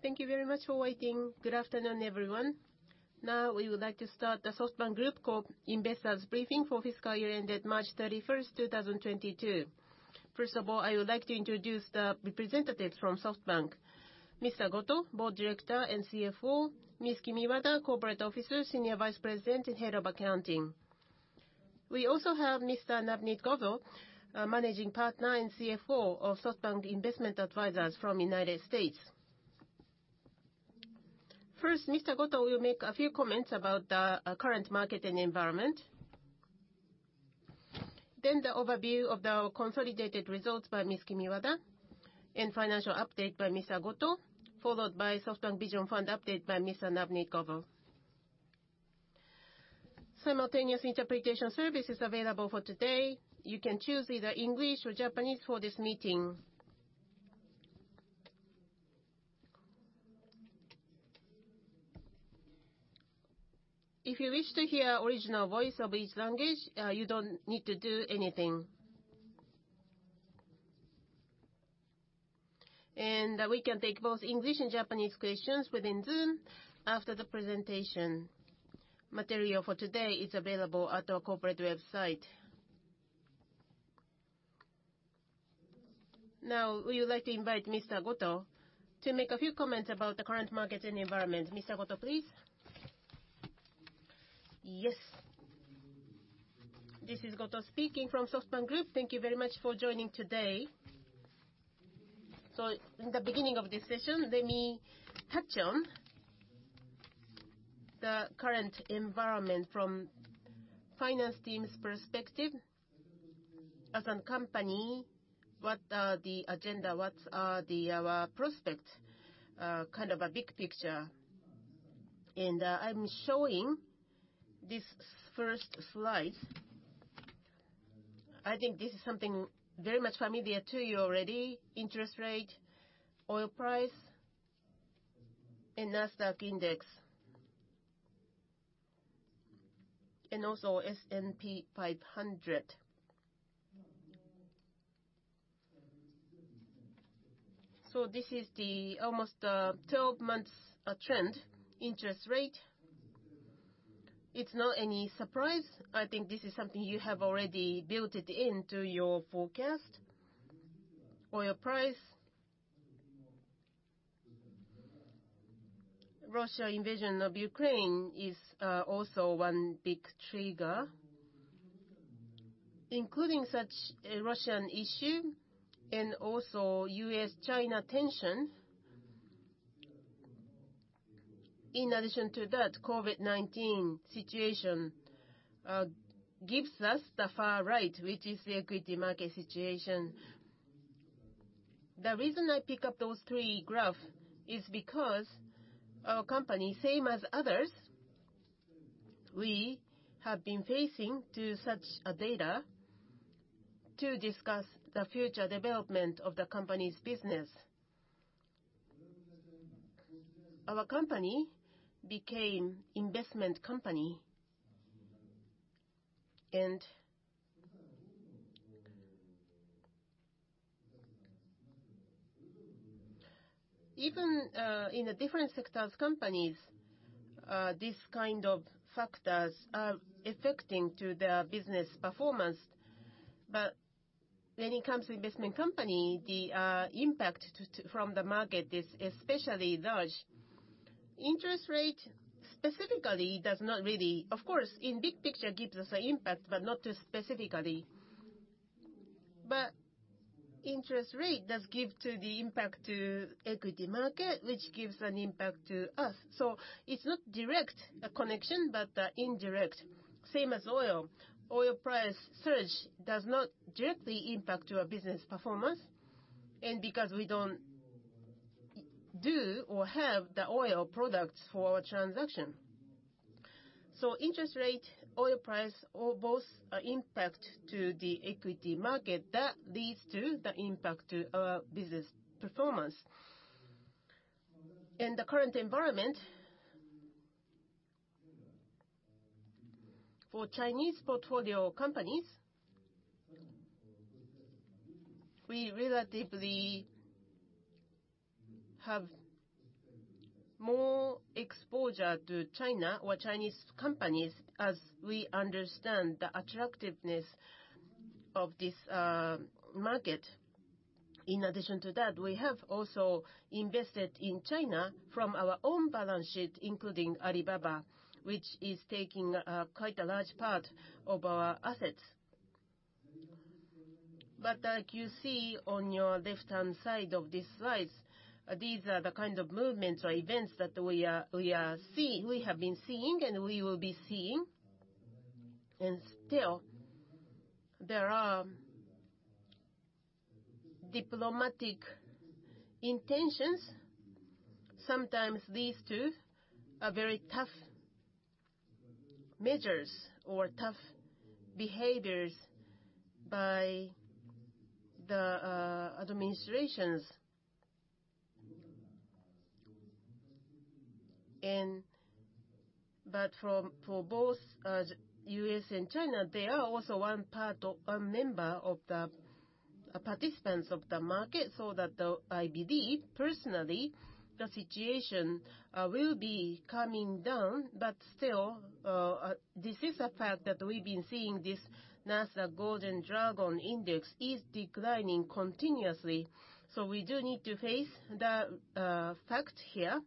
Thank you very much for waiting. Good afternoon, everyone. Now, we would like to start the SoftBank Group Corp. Investors Briefing for Fiscal Year ended March 31, 2022. First of all, I would like to introduce the representatives from SoftBank. Mr. Goto, Board Director and CFO. Ms. Kimiwada, Corporate Officer, Senior Vice President and Head of Accounting. We also have Mr. Navneet Govil, Managing Partner and CFO of SoftBank Investment Advisers from United States. First, Mr. Goto will make a few comments about the current market and environment. Then the overview of the consolidated results by Ms. Kimiwada, and financial update by Mr. Goto, followed by SoftBank Vision Fund update by Mr. Navneet Govil. Simultaneous interpretation service is available for today. You can choose either English or Japanese for this meeting. If you wish to hear original voice of each language, you don't need to do anything. We can take both English and Japanese questions within Zoom after the presentation. Material for today is available at our corporate website. Now, we would like to invite Mr. Goto to make a few comments about the current market and environment. Mr. Goto, please. Yes. This is Goto speaking from SoftBank Group. Thank you very much for joining today. In the beginning of this session, let me touch on the current environment from finance team's perspective. As a company, what are the agenda? What are the prospects? Kind of a big picture. I'm showing this first slide. I think this is something very much familiar to you already, interest rate, oil price, and Nasdaq index. Also S&P 500. This is the almost 12-month trend interest rate. It's no surprise, I think this is something you have already built it into your forecast. Oil price. The Russian invasion of Ukraine is also one big trigger. Including such a Russian issue and also U.S.-China tension, in addition to that, COVID-19 situation gives us the far right, which is the equity market situation. The reason I pick up those three graphs is because our company, same as others, we have been facing to such a data to discuss the future development of the company's business. Our company became investment company. Even in the different sectors companies, this kind of factors are affecting to their business performance. But when it comes to investment company, the impact from the market is especially large. Interest rate specifically does not really. Of course, in big picture gives us an impact, but not to specifically. Interest rate does give to the impact to equity market, which gives an impact to us. It's not direct connection, but indirect. Same as oil. Oil price surge does not directly impact our business performance, and because we don't do or have the oil products for our transaction. Interest rate, oil price, or both, impact to the equity market, that leads to the impact to our business performance. In the current environment, for Chinese portfolio companies, we relatively have more exposure to China or Chinese companies as we understand the attractiveness of this, market. In addition to that, we have also invested in China from our own balance sheet, including Alibaba, which is taking, quite a large part of our assets. Like you see on your left-hand side of this slide, these are the kind of movements or events that we have been seeing and we will be seeing. Still, there are diplomatic intentions. Sometimes these two are very tough measures or tough behaviors by the administrations. From both U.S. and China, they are also one part or a member of the participants of the market, so that I believe personally the situation will be calming down. Still, this is a fact that we've been seeing this Nasdaq Golden Dragon China Index is declining continuously. We do need to face the fact here,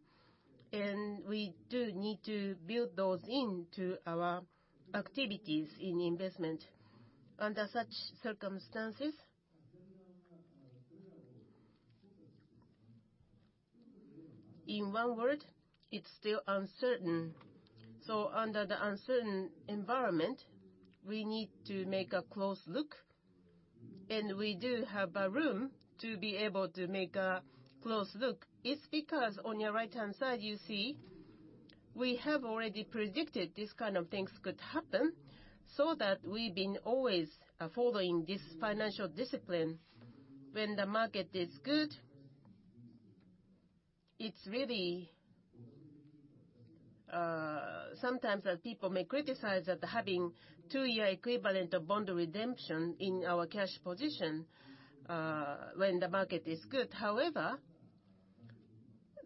and we do need to build those into our activities in investment. Under such circumstances, in one word, it's still uncertain. Under the uncertain environment, we need to take a close look, and we do have a room to be able to take a close look. It's because on your right-hand side, you see we have already predicted these kind of things could happen, so that we've been always following this financial discipline. When the market is good, it's really sometimes people may criticize that having two-year equivalent of bond redemption in our cash position when the market is good. However,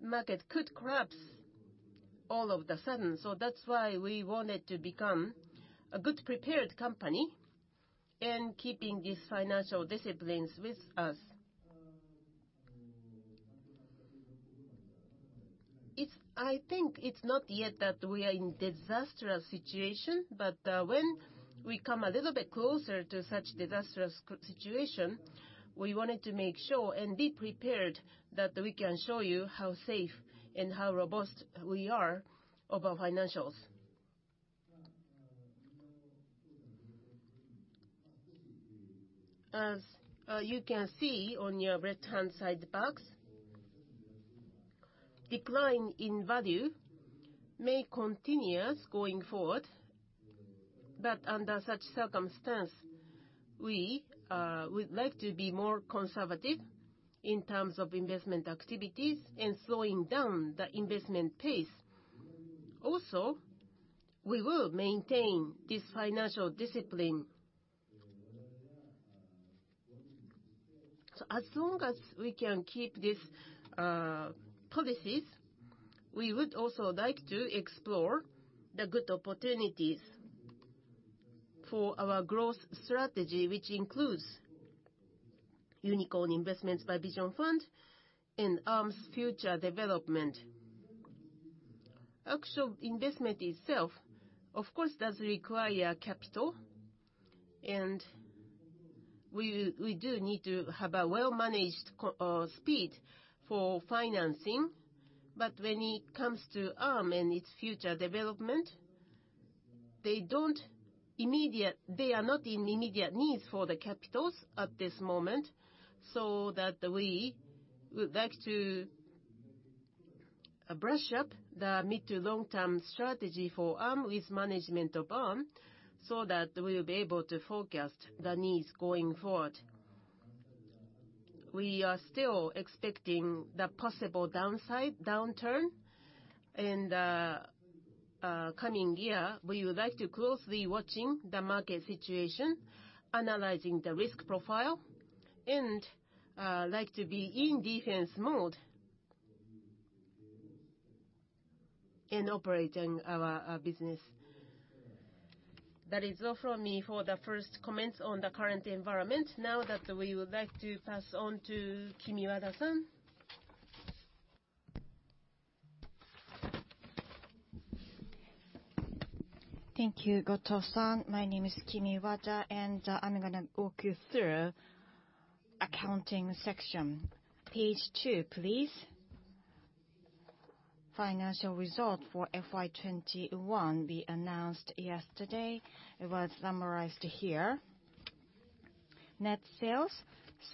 market could collapse all of a sudden, so that's why we wanted to become a good prepared company and keeping these financial disciplines with us. I think it's not yet that we are in disastrous situation, but when we come a little bit closer to such disastrous situation, we wanted to make sure and be prepared that we can show you how safe and how robust we are of our financials. As you can see on your left-hand side box, decline in value may continue going forward. Under such circumstance, we would like to be more conservative in terms of investment activities and slowing down the investment pace. Also, we will maintain this financial discipline. As long as we can keep this policies, we would also like to explore the good opportunities for our growth strategy, which includes unicorn investments by Vision Fund and Arm's future development. Actual investment itself, of course, does require capital, and we do need to have a well-managed cash speed for financing. When it comes to Arm and its future development, they are not in immediate need for the capital at this moment, so that we would like to brush up the mid- to long-term strategy for Arm with management of Arm, so that we'll be able to forecast the needs going forward. We are still expecting the possible downside, downturn in the coming year. We would like to closely watching the market situation, analyzing the risk profile, and like to be in defense mode in operating our business. That is all from me for the first comments on the current environment. Now that we would like to pass on to Kimiwada-san. Thank you, Goto-san. My name is Kimiwada, and I'm gonna walk you through accounting section. Page two, please. Financial result for FY21 we announced yesterday was summarized here. Net sales,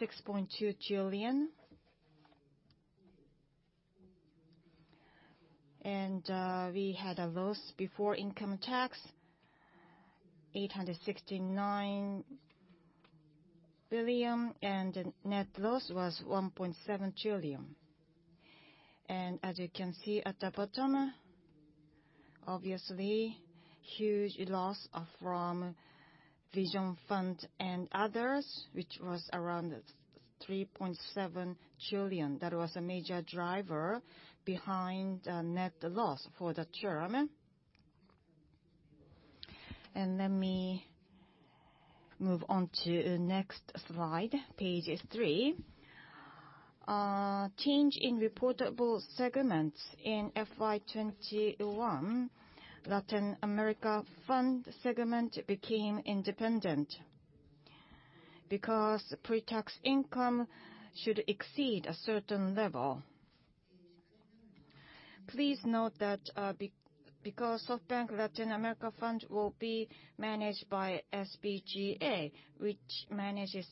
JPY 6.2 trillion. We had a loss before income tax, 869 billion, and the net loss was 1.7 trillion. As you can see at the bottom, obviously huge loss from Vision Fund and others, which was around 3.7 trillion. That was a major driver behind the net loss for the term. Let me move on to next slide, page three. Change in reportable segments in FY21, Latin America Fund segment became independent because pre-tax income should exceed a certain level. Please note that because SoftBank Latin America Fund will be managed by SBGA, which manages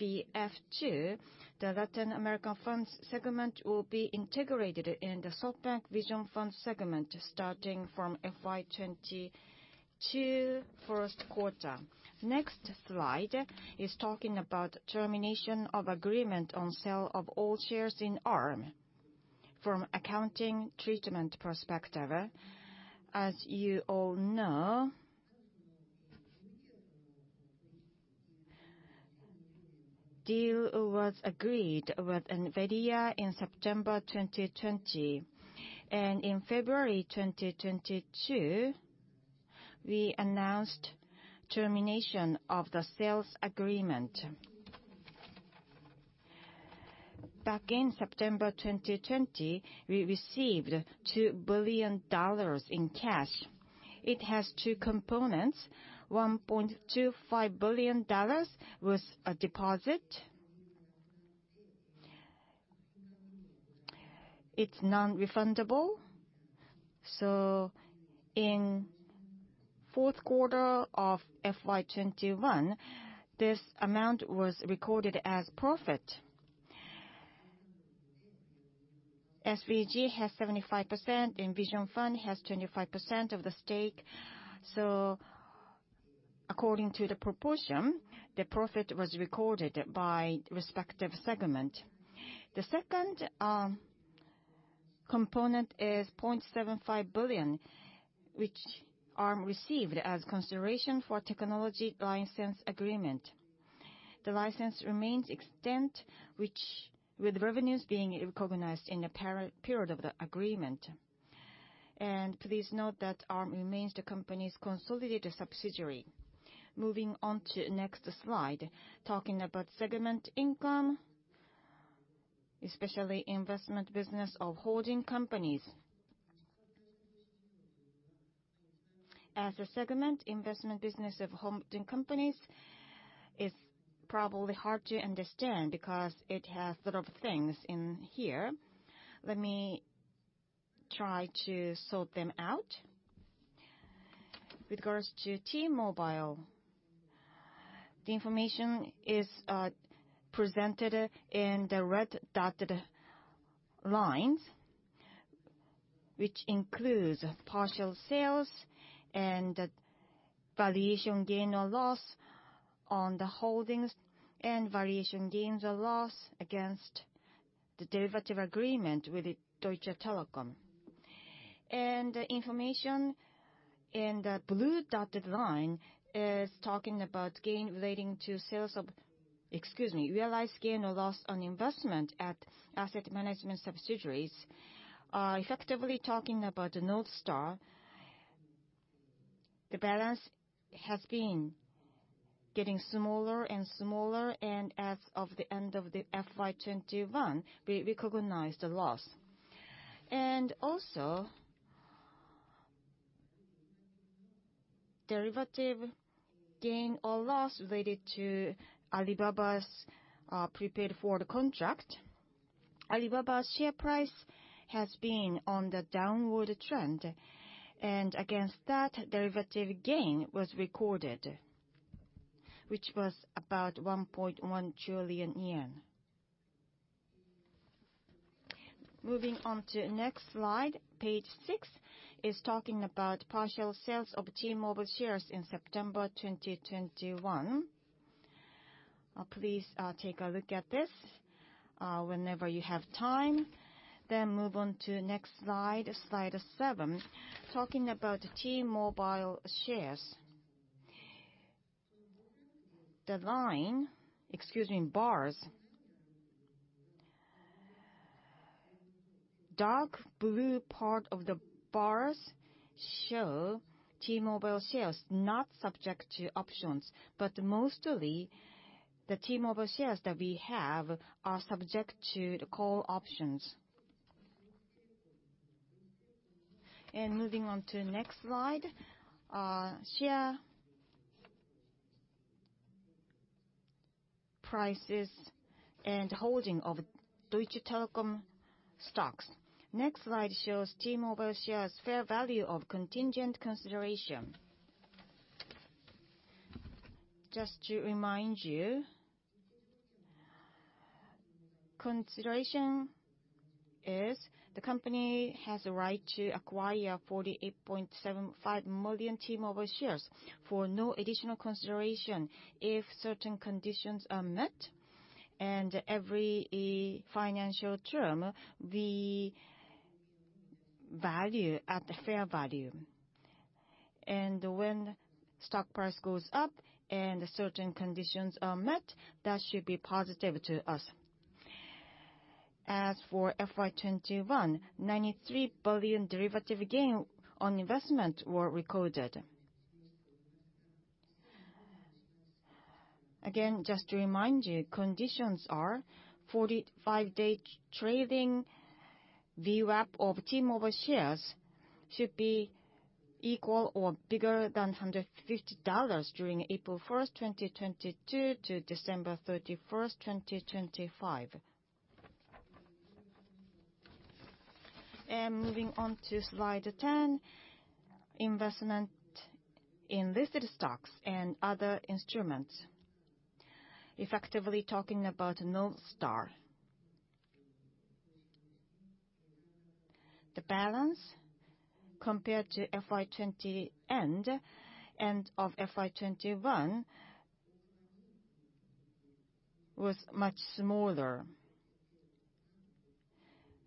SVF2, the Latin America Funds segment will be integrated in the SoftBank Vision Fund segment starting from FY 2022 to first quarter. Next slide is talking about termination of agreement on sale of all shares in Arm. From accounting treatment perspective, as you all know, deal was agreed with NVIDIA in September 2020. In February 2022, we announced termination of the sales agreement. Back in September 2020, we received $2 billion in cash. It has two components, $1.25 billion was a deposit. It's non-refundable. In fourth quarter of FY 2021, this amount was recorded as profit. SBG has 75%, Vision Fund has 25% of the stake. According to the proportion, the profit was recorded by respective segment. The second component is 0.75 billion, which Arm received as consideration for technology license agreement. The license remains extant, with revenues being recognized in the period of the agreement. Please note that Arm remains the company's consolidated subsidiary. Moving on to next slide. Talking about segment income, especially investment business of holding companies. As a segment, investment business of holding companies is probably hard to understand because it has a lot of things in here. Let me try to sort them out. With regards to T-Mobile, the information is presented in the red dotted lines, which includes partial sales and valuation gain or loss on the holdings and valuation gains or loss against the derivative agreement with Deutsche Telekom. Information in the blue dotted line is talking about gain relating to sales of. Excuse me, realized gain or loss on investment at asset management subsidiaries. Effectively talking about Northstar, the balance has been getting smaller and smaller, and as of the end of the FY 2021, we recognized the loss. Also, derivative gain or loss related to Alibaba's prepaid forward contract. Alibaba's share price has been on the downward trend, and against that, derivative gain was recorded, which was about JPY 1.1 trillion. Moving on to next slide. Page six is talking about partial sales of T-Mobile shares in September 2021. Please take a look at this whenever you have time. Move on to next slide seven. Talking about T-Mobile shares. The bars. Dark blue part of the bars show T-Mobile shares not subject to options. Mostly, the T-Mobile shares that we have are subject to the call options. Moving on to next slide. Share prices and holding of Deutsche Telekom stocks. Next slide shows T-Mobile shares fair value of contingent consideration. Just to remind you, consideration is the company has the right to acquire 48.75 million T-Mobile shares for no additional consideration if certain conditions are met. Every financial term, we value at the fair value. When stock price goes up and certain conditions are met, that should be positive to us. As for FY 2021, 93 billion derivative gain on investment were recorded. Just to remind you, conditions are 45-day trading VWAP of T-Mobile shares should be equal or bigger than $150 during April 1, 2022-December 31, 2025. Moving on to slide 10, investment in listed stocks and other instruments. Effectively talking about Northstar. The balance compared to end of FY20, end of FY21 was much smaller,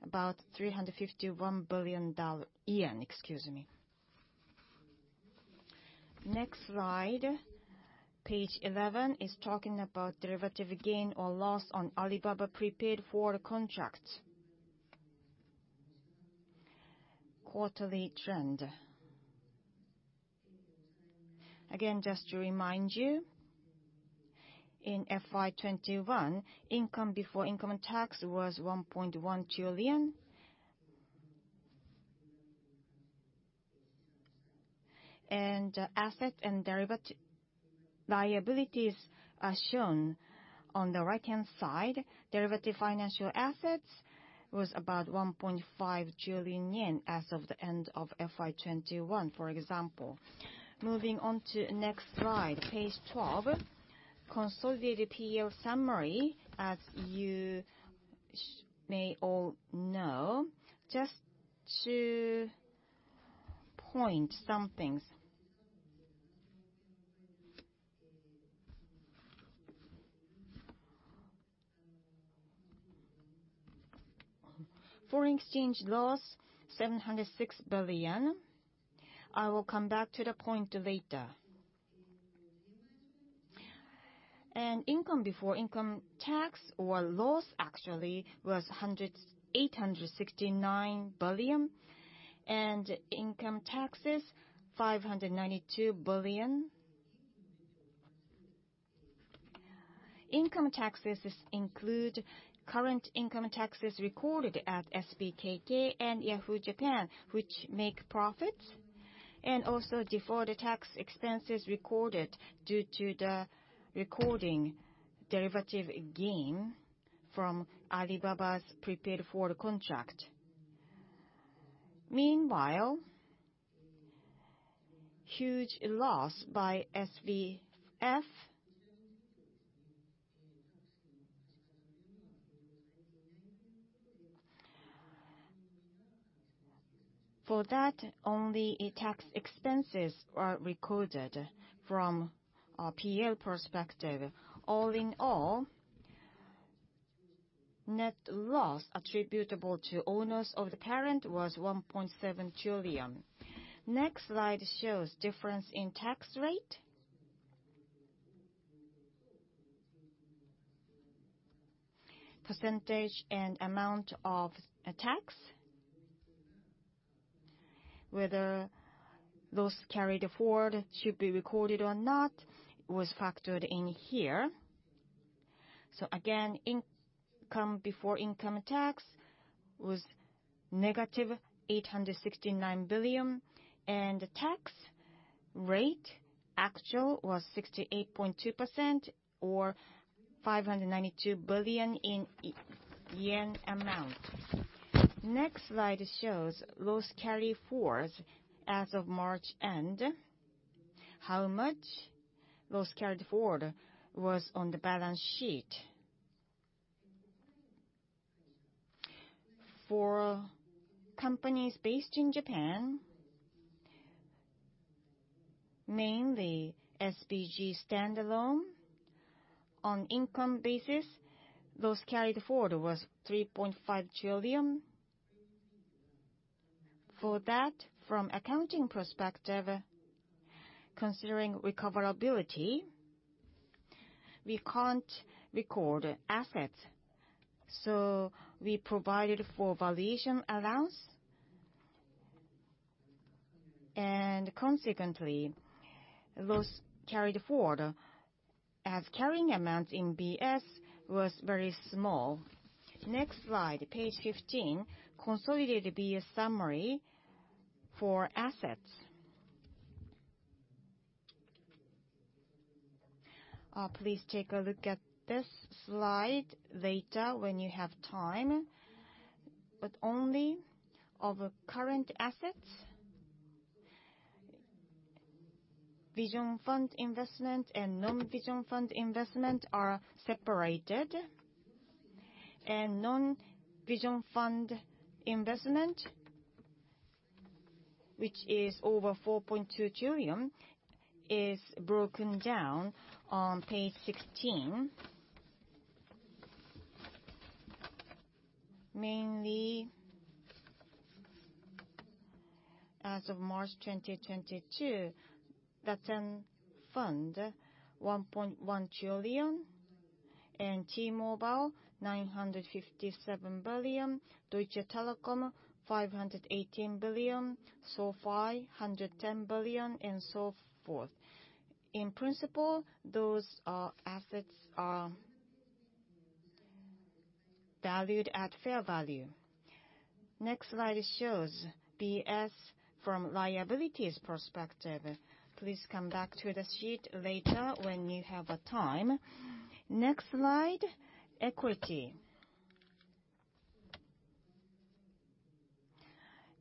about JPY 351 billion, excuse me. Next slide, page 11, is talking about derivative gain or loss on Alibaba prepaid forward contracts. Quarterly trend. Again, just to remind you, in FY21, income before income and tax was 1.1 trillion. Asset and derivative liabilities are shown on the right-hand side. Derivative financial assets was about 1.5 trillion yen as of the end of FY21, for example. Moving on to next slide, page 12. Consolidated P&L summary, as you may all know, just to point some things. Foreign exchange loss, 706 billion. I will come back to the point later. Income before income tax or loss actually was negative 869 billion. Income taxes, 592 billion. Income taxes is include current income taxes recorded at SBKK and Yahoo Japan, which make profits, and also deferred tax expenses recorded due to the recording derivative gain from Alibaba's prepaid forward contract. Meanwhile, huge loss by SVF. For that, only tax expenses are recorded from our P&L perspective. All in all, net loss attributable to owners of the parent was 1.7 trillion. Next slide shows difference in tax rate. Percentage and amount of, tax, whether those carried forward should be recorded or not was factored in here. Again, income before income tax was -869 billion, and tax rate actual was 68.2% or 592 billion yen amount. Next slide shows those carry forwards as of March end, how much those carried forward was on the balance sheet. For companies based in Japan, mainly SBG standalone on income basis, those carried forward was 3.5 trillion. For that, from accounting perspective, considering recoverability, we can't record assets, so we provided for valuation allowance. Consequently, those carried forward as carrying amounts in BS was very small. Next slide, page 15, consolidated BS summary for assets. Please take a look at this slide later when you have time, but only of current assets. Vision Fund investment and non-Vision Fund investment are separated, and non-Vision Fund investment, which is over 4.2 trillion, is broken down on page 16. Mainly as of March 2022, that's in fund, 1.1 trillion, and T-Mobile, 957 billion, Deutsche Telekom, 518 billion, SoFi, 110 billion, and so forth. In principle, those assets are valued at fair value. Next slide shows BS from liabilities perspective. Please come back to the sheet later when you have the time. Next slide, equity.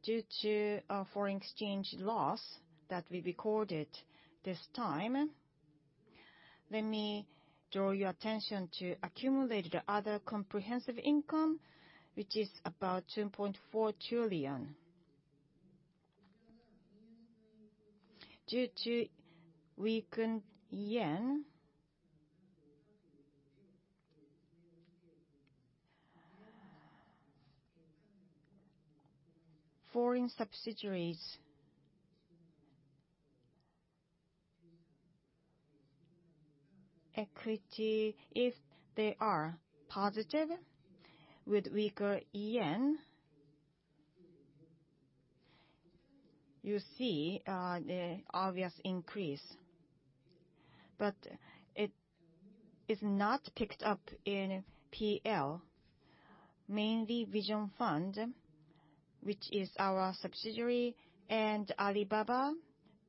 Due to our foreign exchange loss that we recorded this time. Let me draw your attention to accumulated other comprehensive income, which is about 2.4 trillion. Due to weakened JPY, foreign subsidiaries equity, if they are positive with weaker JPY, you see, the obvious increase. But it is not picked up in P&L, mainly Vision Fund, which is our subsidiary, and Alibaba,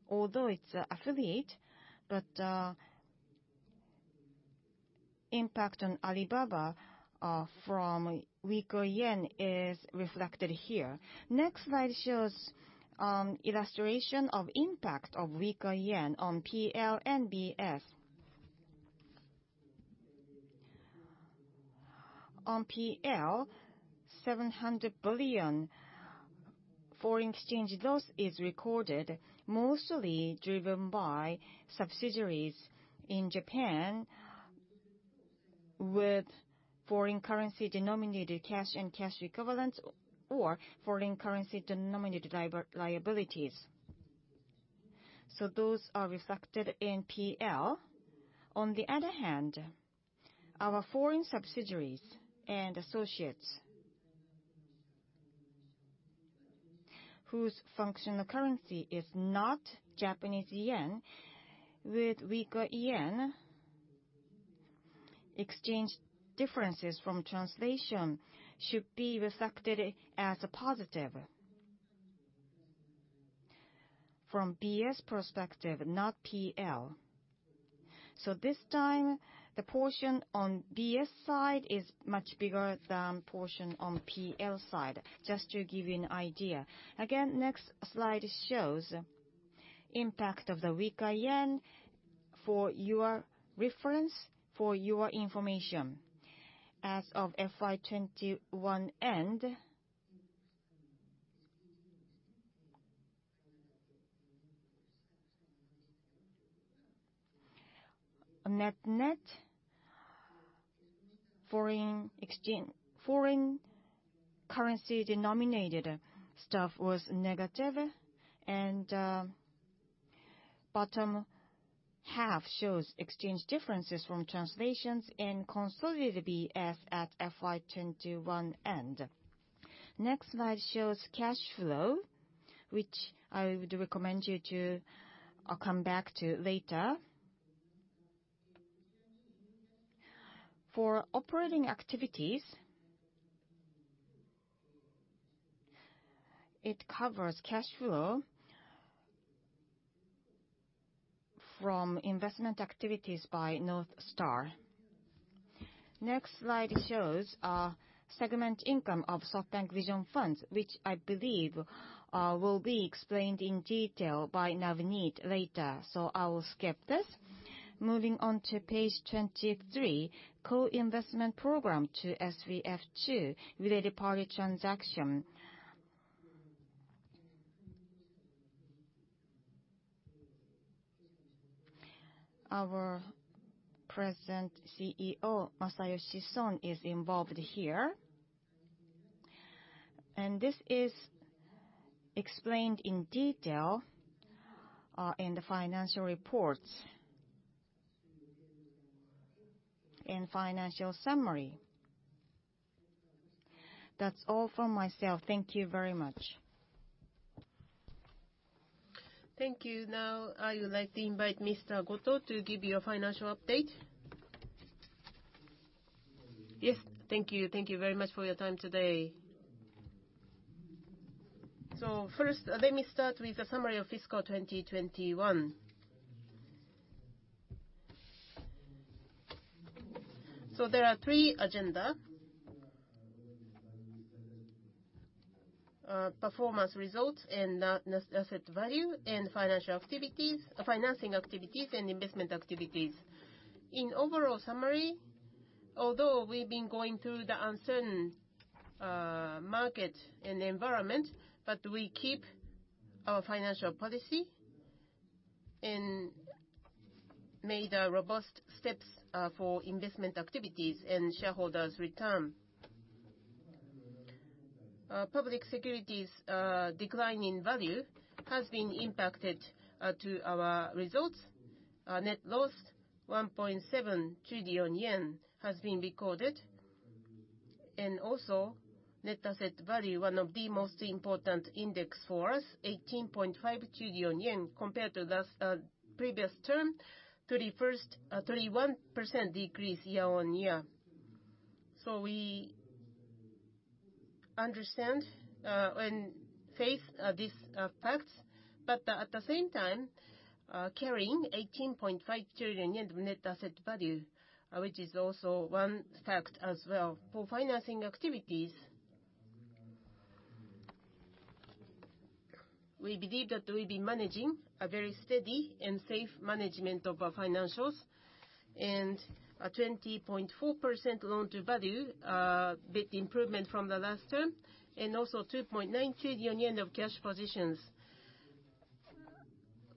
although it's an affiliate. But impact on Alibaba from weaker JPY is reflected here. Next slide shows illustration of impact of weaker JPY on P&L and BS. On P&L, 700 billion foreign exchange loss is recorded, mostly driven by subsidiaries in Japan with foreign currency denominated cash and cash equivalents or foreign currency denominated liabilities. Those are re`flected in P&L. On the other hand, our foreign subsidiaries and associates whose functional currency is not JPY with weaker JPY, exchange differences from translation should be reflected as a positive from BS perspective, not P&L. This time, the portion on BS side is much bigger than portion on P&L side, just to give you an idea. Again, next slide shows impact of the weaker JPY for your reference, for your information. As of FY 2021 end, net foreign currency denominated stuff was negative and bottom half shows exchange differences from translations and consolidated BS at FY 2021 end. Next slide shows cash flow, which I would recommend you to come back to later. For operating activities, it covers cash flow from investment activities by Northstar. Next slide shows segment income of SoftBank Vision Fund, which I believe will be explained in detail by Navneet later, so I will skip this. Moving on to page 23, co-investment program to SVF2 with a related party transaction. Our present CEO, Masayoshi Son, is involved here. This is explained in detail in the financial reports. In financial summary. That's all from myself. Thank you very much. Thank you. Now, I would like to invite Mr. Goto to give you a financial update. Yes, thank you. Thank you very much for your time today. First, let me start with a summary of fiscal 2021. There are three agenda. Performance results and net asset value and financial activities, financing activities and investment activities. In overall summary, although we've been going through the uncertain market and environment, but we keep our financial policy and made a robust steps for investment activities and shareholders' return. Public securities decline in value has been impacted to our results. Our net loss, 1.7 trillion yen, has been recorded. Net asset value, one of the most important index for us, 18.5 trillion yen compared to last previous term, 31st, 31% decrease year-on-year. We understand and face these facts, but at the same time, carrying 18.5 trillion yen of net asset value, which is also one fact as well for financing activities. We believe that we'll be managing a very steady and safe management of our financials and a 20.4% loan to value bit improvement from the last term and also 2.9 trillion yen of cash positions.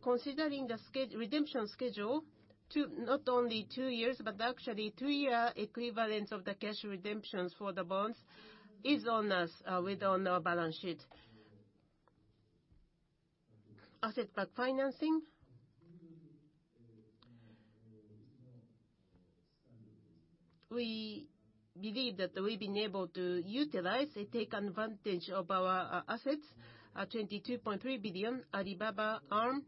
Considering the redemption schedule, not only two years, but actually three-year equivalence of the cash redemptions for the bonds is on us with on our balance sheet. Asset-backed financing. We believe that we've been able to utilize and take advantage of our assets, 22.3 billion Alibaba, Arm,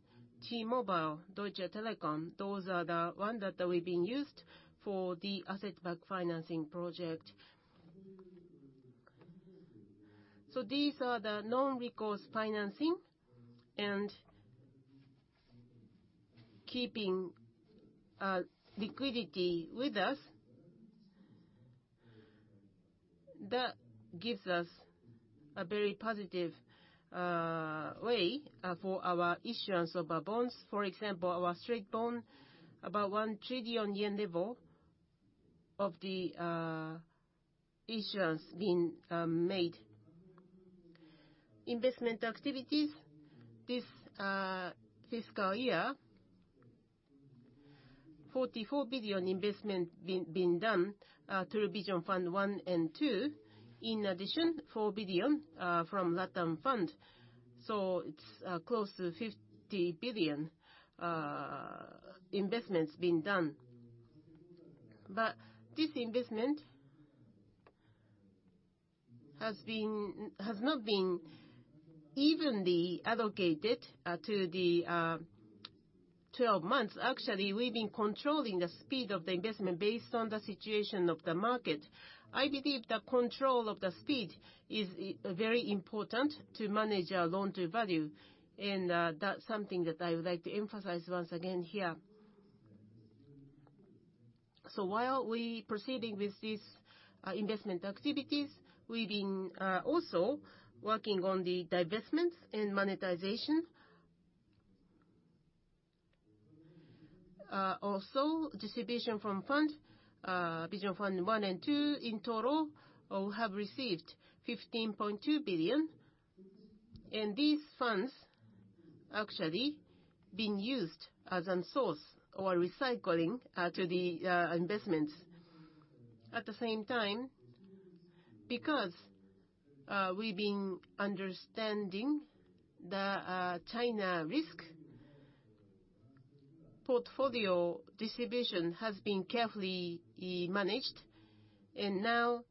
T-Mobile, Deutsche Telekom. Those are the ones that we've been using for the asset-backed financing project. These are the non-recourse financing and keeping liquidity with us. That gives us a very positive way for our issuance of our bonds. For example, our straight bond, about 1 trillion yen level of the issuance being made. Investment activities. This fiscal year, $44 billion investment been done through Vision Fund 1 and 2. In addition, $4 billion from LatAm Fund. It's close to $50 billion investments been done. This investment has not been evenly allocated to the 12 months. Actually, we've been controlling the speed of the investment based on the situation of the market. I believe the control of the speed is very important to manage our loan to value, and that's something that I would like to emphasize once again here. While we proceeding with these investment activities, we've been also working on the divestments and monetization. Also distribution from fund Vision Fund 1 and 2 in total all have received $15.2 billion. These funds actually been used as an source or recycling to the investments. At the same time, because we've been understanding the China risk, portfolio distribution has been carefully managed. Now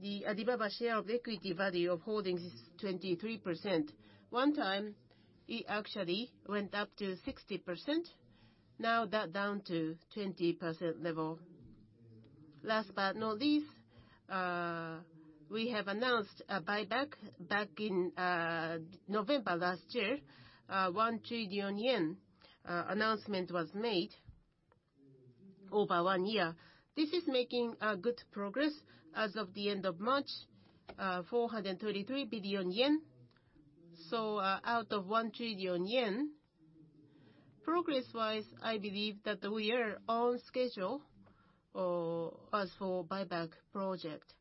the Alibaba share of equity value of holdings is 23%. One time it actually went up to 60%. Now that down to 20% level. Last but not least, we have announced a buyback in November last year. 1 trillion yen announcement was made over one year. This is making good progress as of the end of March, 433 billion yen. Out of 1 trillion yen, progress-wise, I believe that we are on schedule, as for buyback project.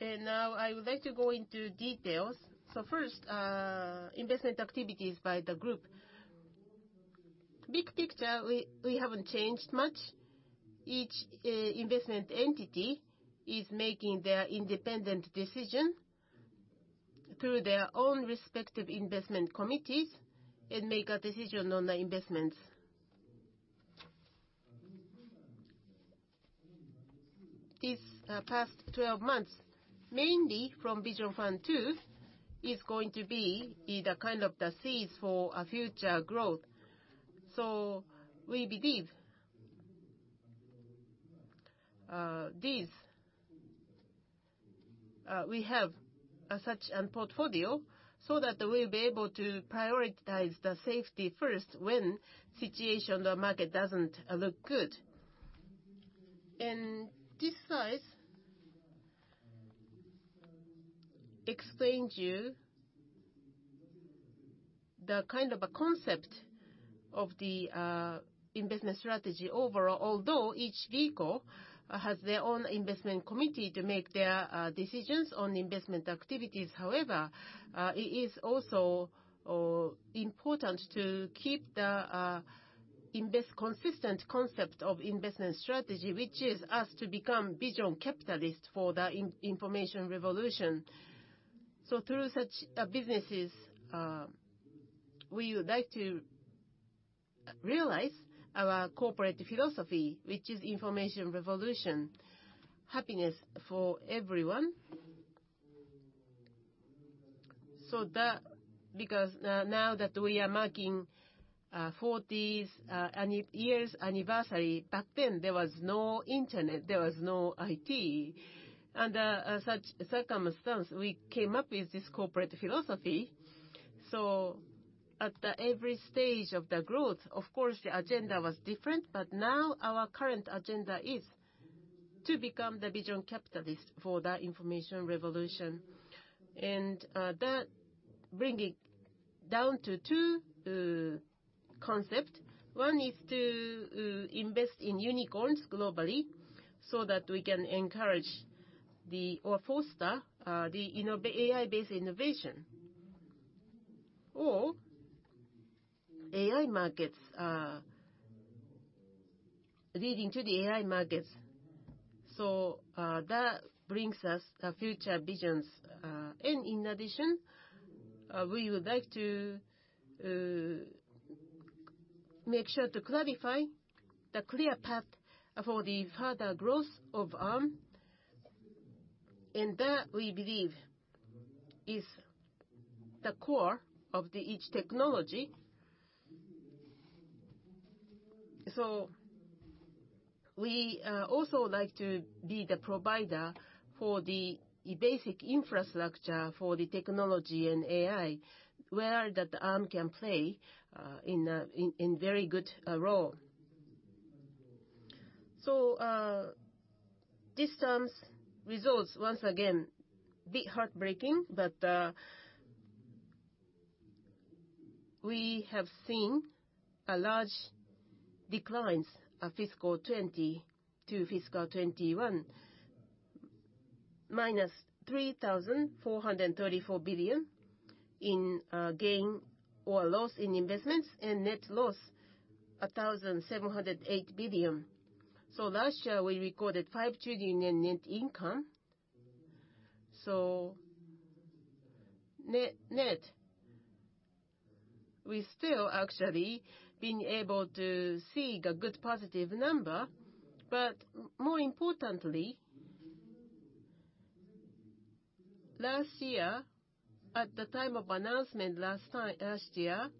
Now I would like to go into details. First, investment activities by the group. Big picture, we haven't changed much. Each investment entity is making their independent decision through their own respective investment committees and make a decision on the investments. This past 12 months, mainly from Vision Fund 2, is going to be the kind of the seeds for a future growth. We believe these we have a such an portfolio so that we'll be able to prioritize the safety first when situation the market doesn't look good. This slide explains you the kind of a concept of the investment strategy overall, although each vehicle has their own investment committee to make their decisions on investment activities. However, it is also important to keep the consistent concept of investment strategy, which is for us to become vision capitalist for the information revolution. Through such businesses, we would like to realize our corporate philosophy, which is information revolution, happiness for everyone. Now that we are marking 40th anniversary, back then there was no internet, there was no IT. Under such circumstances, we came up with this corporate philosophy. At every stage of the growth, of course, the agenda was different, but now our current agenda is to become the vision capitalist for the information revolution. That brings it down to two concept. One is to invest in unicorns globally so that we can encourage the, or foster, the AI-based innovation, or AI markets, leading to the AI markets. That brings us the future visions. In addition, we would like to make sure to clarify the clear path for the further growth of Arm, and that we believe is the core of the each technology. We also like to be the provider for the basic infrastructure for the technology and AI where that Arm can play in a very good role. This term's results, once again, a bit heartbreaking. We have seen a large decline of fiscal 2020 to fiscal 2021, -3,434 billion in gain or loss in investments, and net loss 1,708 billion. Last year we recorded 5 trillion in net income. Net, we still actually been able to see the good positive number. More importantly, last year, at the time of announcement last year,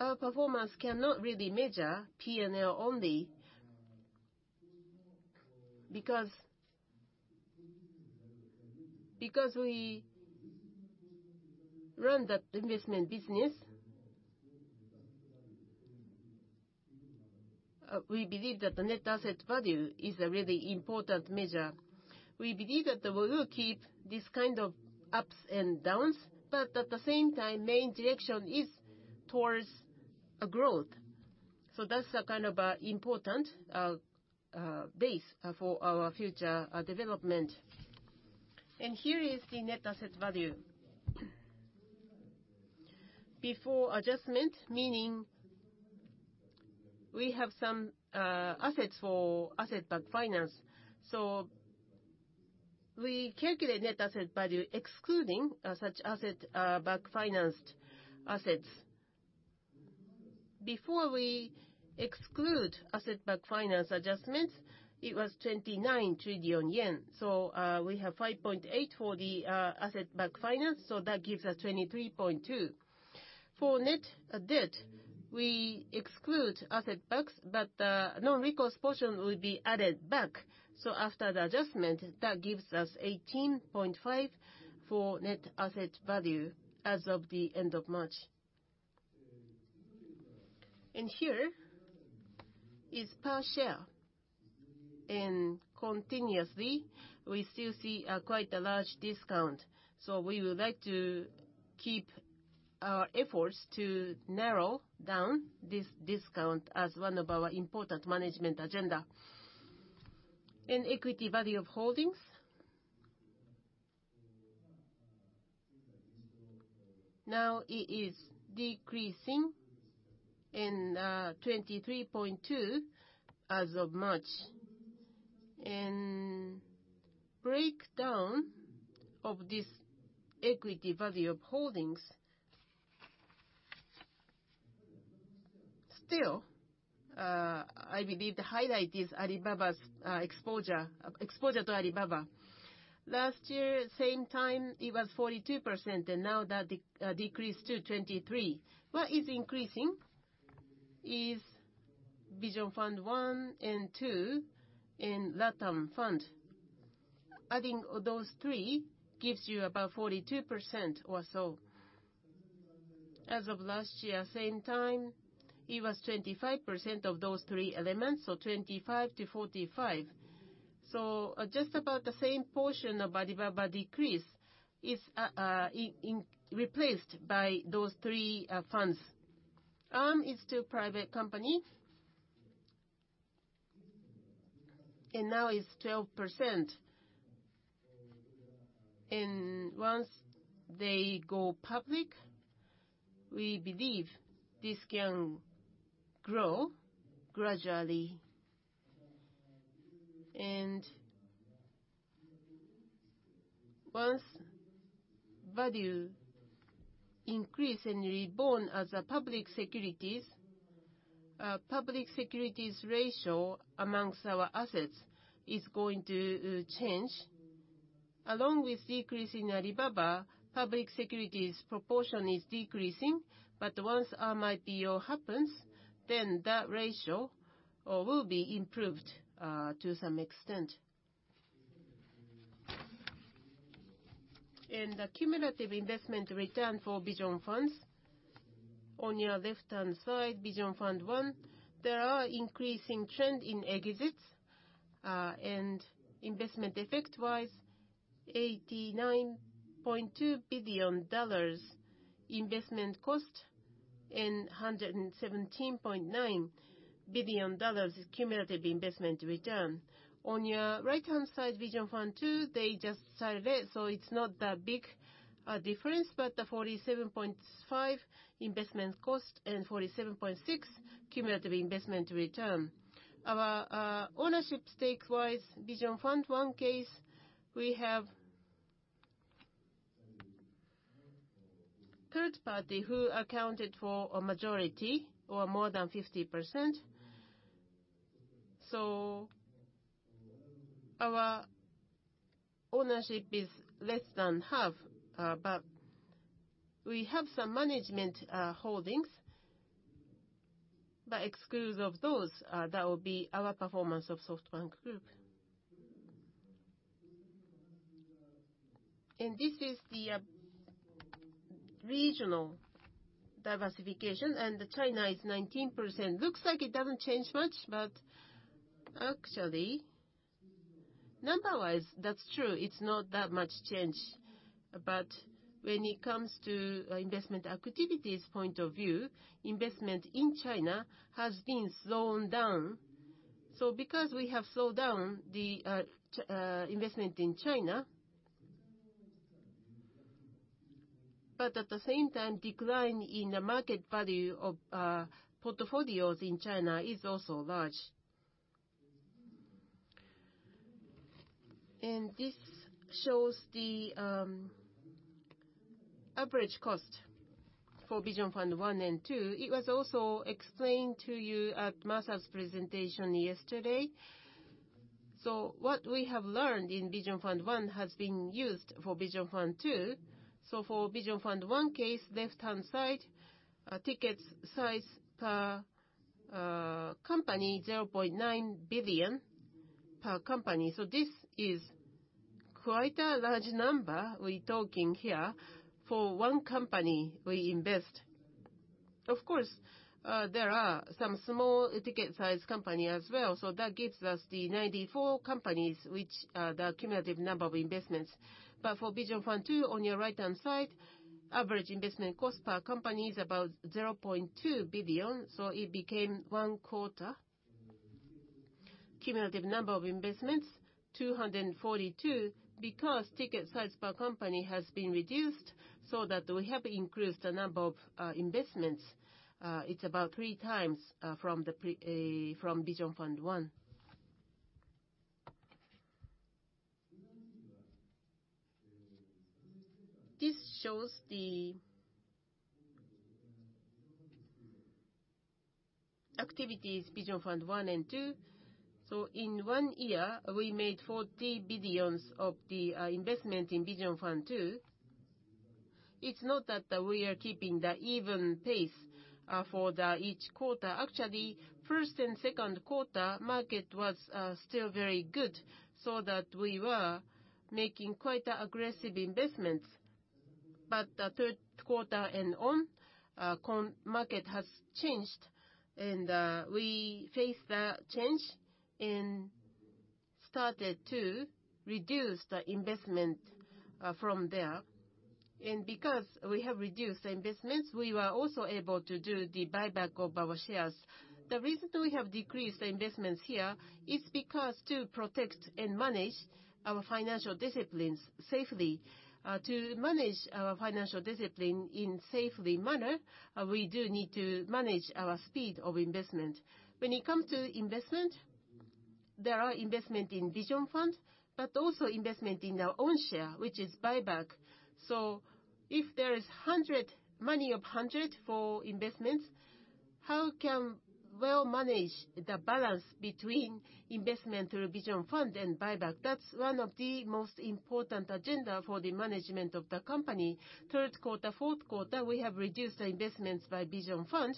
our performance cannot really measure P&L only because we run that investment business. We believe that the net asset value is a really important measure. We believe that we will keep this kind of ups and downs, but at the same time, main direction is towards a growth. That's a kind of important base for our future development. Here is the net asset value. Before adjustment, meaning we have some assets for asset-backed finance. We calculate net asset value excluding such asset-backed finance assets. Before we exclude asset-backed finance adjustments, it was 29 trillion yen. We have 5.8 trillion for the asset-backed finance, that gives us 23.2 trillion. For net debt, we exclude asset backs, but non-recourse portion will be added back. After the adjustment, that gives us 18.5 trillion for net asset value as of the end of March. Here is per share. Continuously, we still see quite a large discount, so we would like to keep our efforts to narrow down this discount as one of our important management agenda. In equity value of holdings. Now, it is decreasing to 23.2 as of March. Breakdown of this equity value of holdings. Still, I believe the highlight is Alibaba's exposure to Alibaba. Last year, same time, it was 42%, and now that decreased to 23. What is increasing is Vision Fund 1 and 2 and LatAm Fund. Adding those three gives you about 42% or so. As of last year, same time, it was 25% of those three elements, so 25-45. Just about the same portion of Alibaba decrease is being replaced by those three funds. Arm is still private company. Now it's 12%. Once they go public, we believe this can grow gradually. Once value increase and reborn as a public securities, public securities ratio among our assets is going to change. Along with decrease in Alibaba public securities proportion is decreasing, but once Arm IPO happens, then that ratio will be improved to some extent. The cumulative investment return for Vision Funds. On your left-hand side, Vision Fund 1, there are increasing trend in exits and investment effect-wise, $89.2 billion investment cost and $117.9 billion cumulative investment return. On your right-hand side, Vision Fund 2, they just started it, so it's not that big difference, but $47.5 billion investment cost and $47.6 billion cumulative investment return. Our ownership stake-wise, Vision Fund 1 case, we have third party who accounted for a majority or more than 50%. Our ownership is less than half, but we have some management holdings. Excluding those, that will be our performance of SoftBank Group. This is the regional diversification, and China is 19%. Looks like it doesn't change much, but actually number-wise, that's true, it's not that much change. When it comes to investment activities point of view, investment in China has been slowing down. Because we have slowed down the investment in China, but at the same time, decline in the market value of portfolios in China is also large. This shows the average cost for Vision Fund 1 and 2. It was also explained to you at Masa's presentation yesterday. What we have learned in Vision Fund 1 has been used for Vision Fund 2. For Vision Fund 1 case, left-hand side, ticket size per company 0.9 billion per company. This is quite a large number we're talking here for one company we invest. Of course, there are some small ticket size company as well. That gives us the 94 companies which the cumulative number of investments. But for Vision Fund 2, on your right-hand side, average investment cost per company is about 0.2 billion. It became one quarter. Cumulative number of investments, 242, because ticket size per company has been reduced, so that we have increased the number of investments. It's about 3x from Vision Fund 1. This shows the activities, Vision Fund 1 and 2. In one year, we made 40 billion of the investment in Vision Fund 2. It's not that we are keeping the even pace for each quarter. Actually, first and second quarter, the market was still very good so that we were making quite aggressive investments. The third quarter and on, the market has changed, and we faced that change and started to reduce the investment from there. Because we have reduced the investments, we were also able to do the buyback of our shares. The reason we have decreased the investments here is because to protect and manage our financial discipline safely. To manage our financial discipline in safe manner, we do need to manage our speed of investment. When it comes to investment, there are investment in Vision Fund, but also investment in our own share, which is buyback. If there is 100, money of 100 for investments, how can well manage the balance between investment through Vision Fund and buyback? That's one of the most important agenda for the management of the company. Third quarter, fourth quarter, we have reduced the investments by Vision Fund,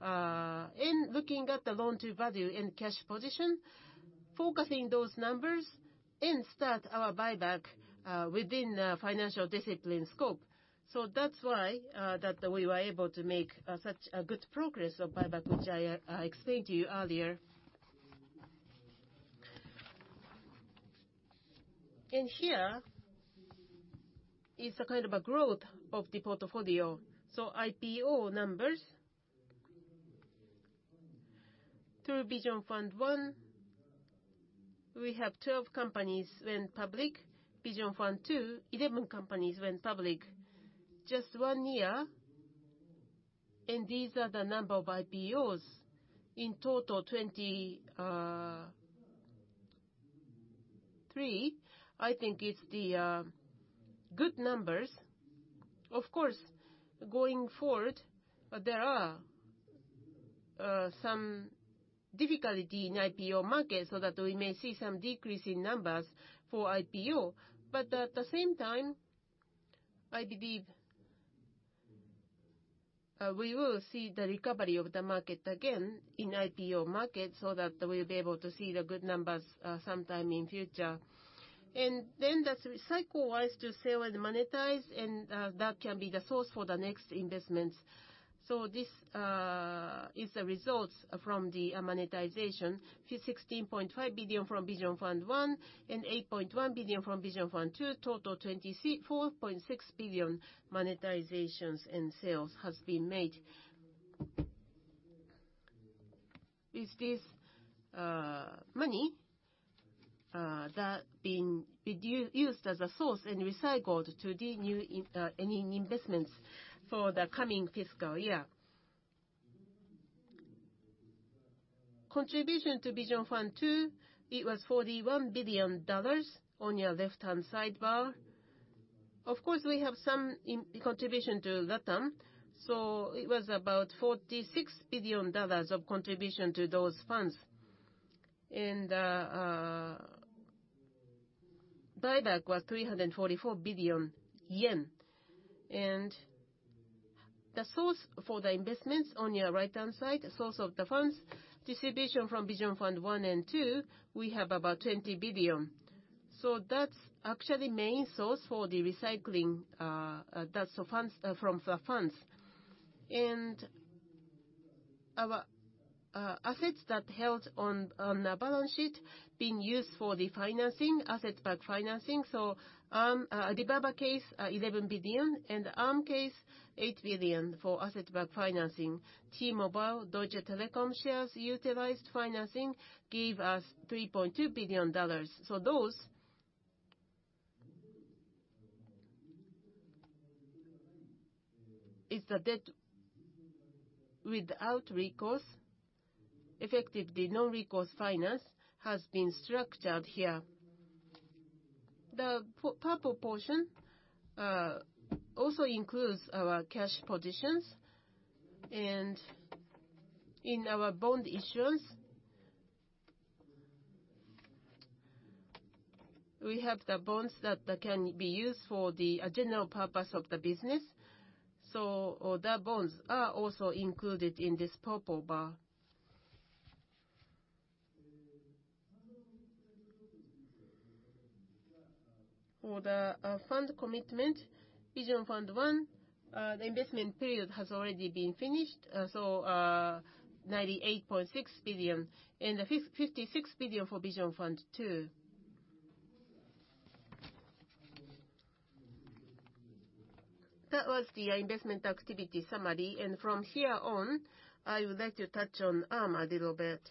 and looking at the loan to value and cash position, focusing those numbers, and start our buyback, within the financial discipline scope. That's why, that we were able to make, such a good progress of buyback, which I explained to you earlier. Here is a kind of a growth of the portfolio. IPO numbers through Vision Fund 1, we have 12 companies went public. Vision Fund 2, 11 companies went public. Just one year, and these are the number of IPOs. In total, 23. I think it's the good numbers. Of course, going forward, there are some difficulty in IPO market so that we may see some decrease in numbers for IPO. But at the same time, I believe we will see the recovery of the market again in IPO market, so that we'll be able to see the good numbers sometime in future. Then the cycle-wise to sell and monetize, and that can be the source for the next investments. This is the results from the monetization. $616.5 billion from Vision Fund 1, and 8.1 billion from Vision Fund 2, total 24.6 billion monetizations and sales has been made. With this money that being used as a source and recycled to the new in any investments for the coming fiscal year. Contribution to Vision Fund 2, it was $41 billion on your left-hand sidebar. Of course, we have some contribution to LatAm, so it was about $46 billion of contribution to those funds. Buyback was 344 billion yen. The source for the investments on your right-hand side, source of the funds, distribution from Vision Fund 1 and 2, we have about 20 billion. That's actually main source for the recycling that so funds from the funds. Our assets that held on the balance sheet being used for the financing, asset-backed financing. The Alibaba case, 11 billion, and Arm case, 8 billion for asset-backed financing. T-Mobile, Deutsche Telekom shares utilized financing gave us $3.2 billion. Those is the debt without recourse. Effectively, non-recourse finance has been structured here. The purple portion also includes our cash positions. In our bond issuance, we have the bonds that can be used for the general purpose of the business. The bonds are also included in this purple bar. For the fund commitment, Vision Fund 1, the investment period has already been finished, so $98.6 billion, and the $56 billion for Vision Fund 2. That was the investment activity summary. From here on, I would like to touch on Arm a little bit.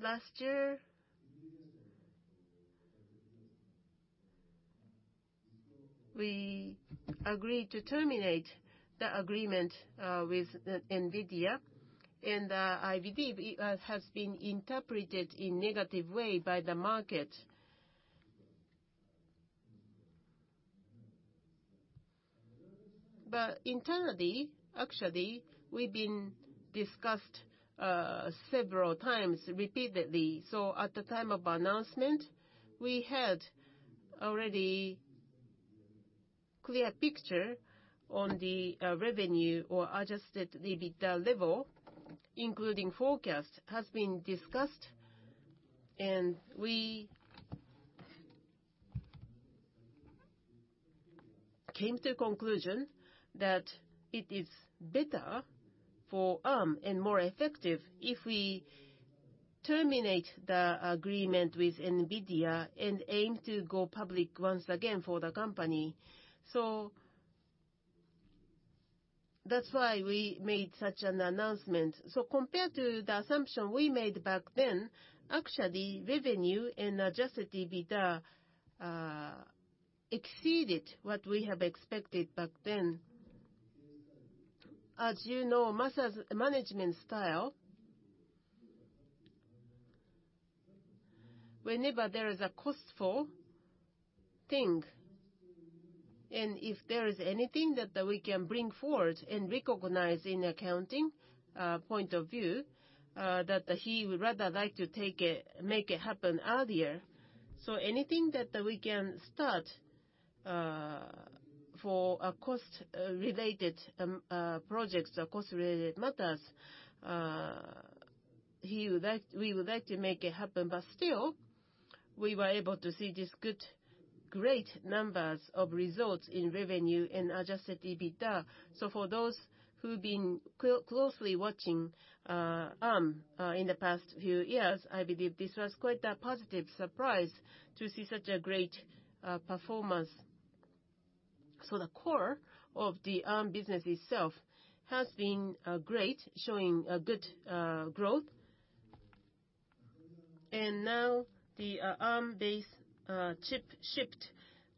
Last year, we agreed to terminate the agreement with NVIDIA, and I believe it has been interpreted in negative way by the market. Internally, actually, we've been discussed several times repeatedly. At the time of announcement, we had already clear picture on the revenue or Adjusted EBITDA level, including forecast has been discussed. We came to conclusion that it is better for Arm and more effective if we terminate the agreement with NVIDIA and aim to go public once again for the company. That's why we made such an announcement. Compared to the assumption we made back then, actually, revenue and Adjusted EBITDA exceeded what we have expected back then. As you know, Masa's management style, whenever there is a costly thing, and if there is anything that we can bring forward and recognize in accounting point of view, that he would rather like to take it, make it happen earlier. Anything that we can start for a cost related projects or cost related matters, he would like, we would like to make it happen. Still, we were able to see this good great numbers of results in revenue and Adjusted EBITDA. For those who've been closely watching Arm in the past few years, I believe this was quite a positive surprise to see such a great performance. The core of the Arm business itself has been great, showing a good growth. Now the Arm-based chip shipped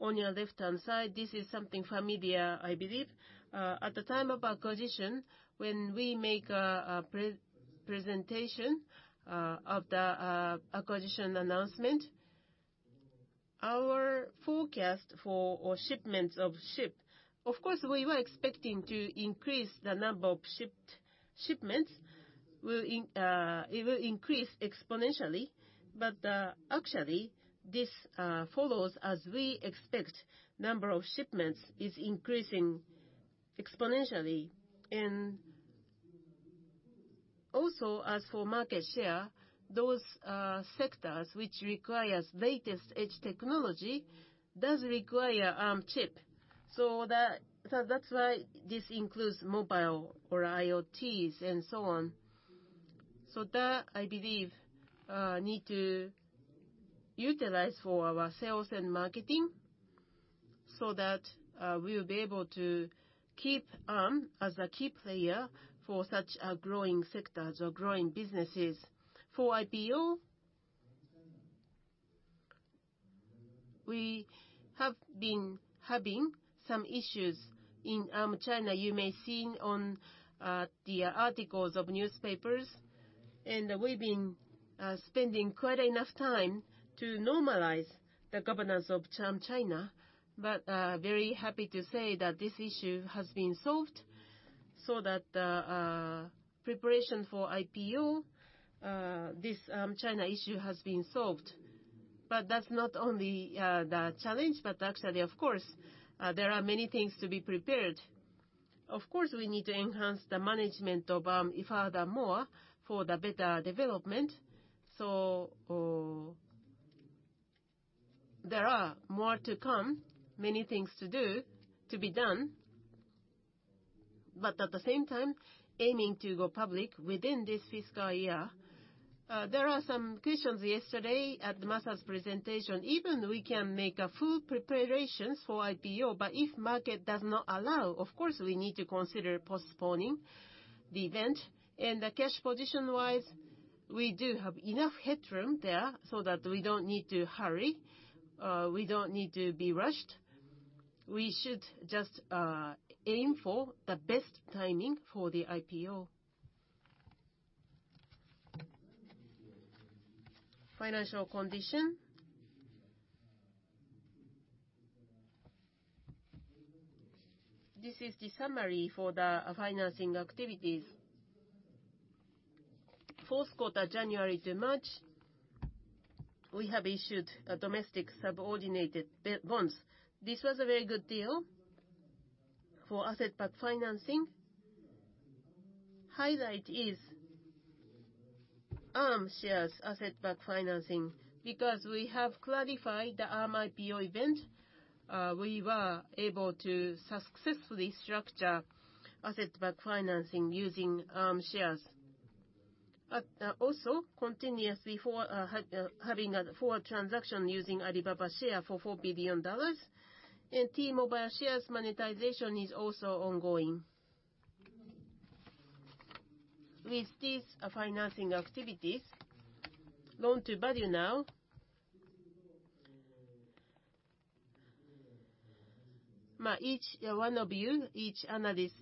on your left-hand side, this is something familiar, I believe. At the time of acquisition, when we make a pre-presentation of the acquisition announcement. Our forecast for our shipments of chips, of course, we were expecting to increase the number of shipments. It will increase exponentially. Actually, this follows as we expect number of shipments is increasing exponentially. As for market share, those sectors which requires cutting-edge technology does require chips. That's why this includes mobile or IoT and so on. I believe need to utilize for our sales and marketing so that we will be able to keep as a key player for such growing sectors or growing businesses. For IPO, we have been having some issues in China. You may have seen in the articles in newspapers, and we've been spending quite enough time to normalize the governance of China. Very happy to say that this issue has been solved so that preparation for IPO, this China issue has been solved. That's not only the challenge, but actually of course, there are many things to be prepared. Of course, we need to enhance the management furthermore for the better development. There are more to come, many things to be done, but at the same time, aiming to go public within this fiscal year. There are some questions yesterday at Masa's presentation. Even if we can make full preparations for IPO, but if the market does not allow, of course, we need to consider postponing the event. The cash position-wise, we do have enough headroom there so that we don't need to hurry, we don't need to be rushed. We should just aim for the best timing for the IPO. Financial condition. This is the summary for the financing activities. Fourth quarter, January to March, we have issued a domestic subordinated bonds. This was a very good deal for asset-backed financing. Highlight is Arm shares asset-backed financing. Because we have clarified the Arm IPO event, we were able to successfully structure asset-backed financing using Arm shares. But also continuously having a forward transaction using Alibaba share for $4 billion, and T-Mobile shares monetization is also ongoing. With these financing activities, loan to value now. Each one of you, analysts,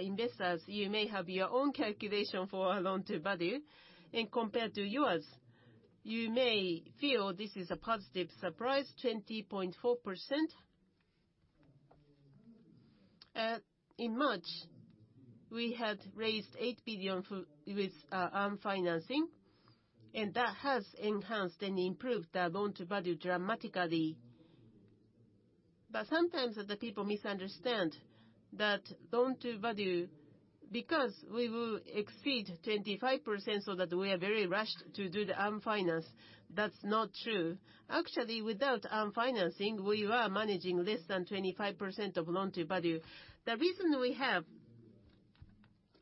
investors, you may have your own calculation for our loan to value. Compared to yours, you may feel this is a positive surprise, 20.4%. In March, we had raised $8 billion with Arm financing, and that has enhanced and improved the loan to value dramatically. Sometimes the people misunderstand that loan to value, because we will exceed 25% so that we are very rushed to do the Arm finance. That's not true. Actually, without Arm financing, we were managing less than 25% of loan to value. The reason we have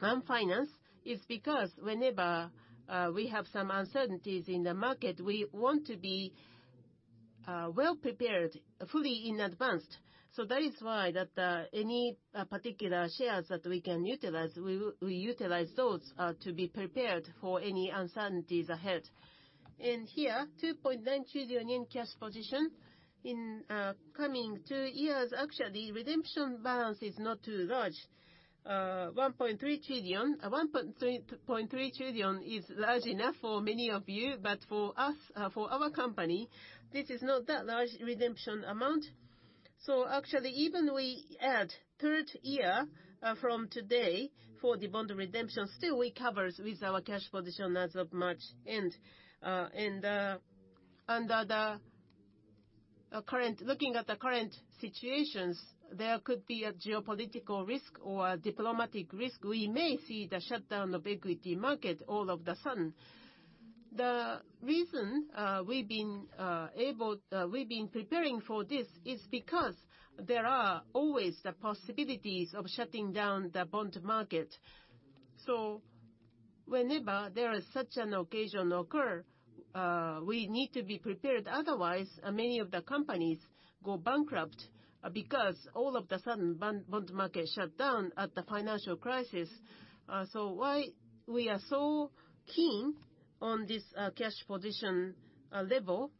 Arm finance is because whenever we have some uncertainties in the market, we want to be well prepared fully in advance. That is why that any particular shares that we can utilize, we utilize those to be prepared for any uncertainties ahead. Here, 2.9 trillion in cash position. In coming two years, actually, redemption balance is not too large. 1.3 trillion is large enough for many of you, but for us, for our company, this is not that large redemption amount. Actually, even if we add third year from today for the bond redemption, still we cover with our cash position as of March end. Under the current situations, there could be a geopolitical risk or a diplomatic risk. We may see the shutdown of equity market all of a sudden. The reason we've been preparing for this is because there are always the possibilities of shutting down the bond market. Whenever there is such an occasion occur, we need to be prepared, otherwise, many of the companies go bankrupt, because all of a sudden bond market shut down at the financial crisis. Why we are so keen on this cash position level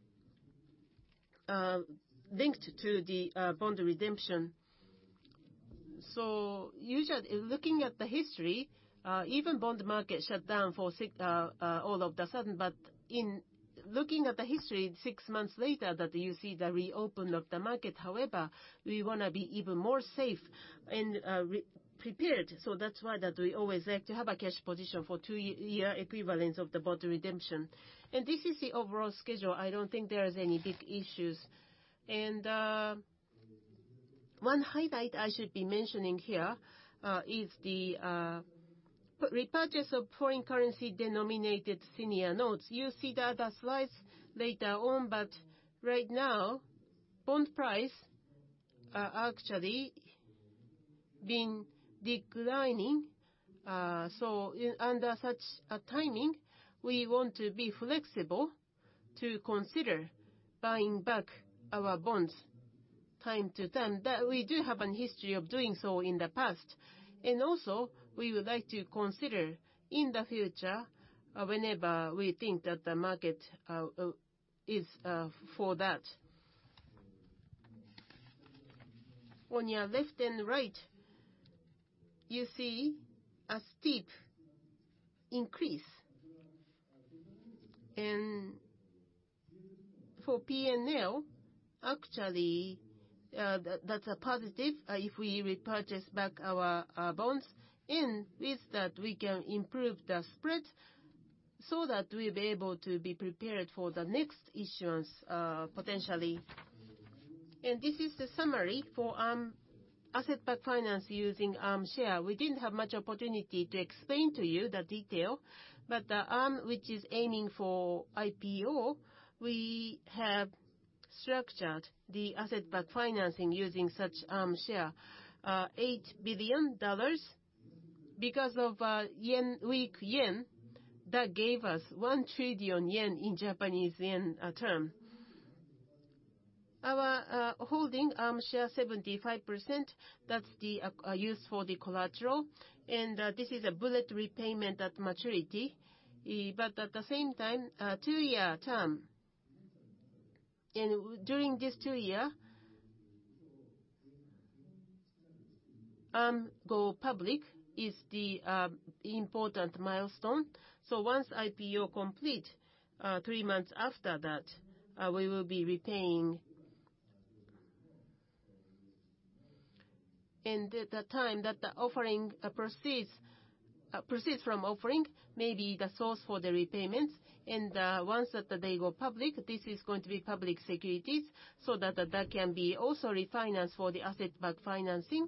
linked to the bond redemption. Usually looking at the history, even bond market shut down for six months all of a sudden, but in looking at the history six months later that you see the reopen of the market. However, we wanna be even more safe and re-prepared. That's why we always like to have a cash position for two year equivalence of the bond redemption. This is the overall schedule. I don't think there is any big issues. One highlight I should be mentioning here is the repurchase of foreign currency denominated senior notes. You'll see the other slides later on, but right now bond prices have actually been declining. Under such a timing, we want to be flexible to consider buying back our bonds from time to time. We do have a history of doing so in the past. We would like to consider in the future, whenever we think that the market is for that. On your left and right, you see a steep increase. For P&L, actually, that's a positive if we repurchase our bonds. With that, we can improve the spread so that we'll be able to be prepared for the next issuance, potentially. This is the summary for asset-backed finance using share. We didn't have much opportunity to explain to you the detail, but which is aiming for IPO, we have structured the asset-backed financing using such share $8 billion. Because of JPY, weak JPY, that gave us 1 trillion yen in JPY term. Our holding share 75%, that's the used for the collateral. This is a bullet repayment at maturity. But at the same time, two-year term. During this two year, go public is the important milestone. Once IPO complete, three months after that, we will be repaying. The time that the offering proceeds from offering may be the source for the repayments. Once that they go public, this is going to be public securities so that can be also refinanced for the asset-backed financing.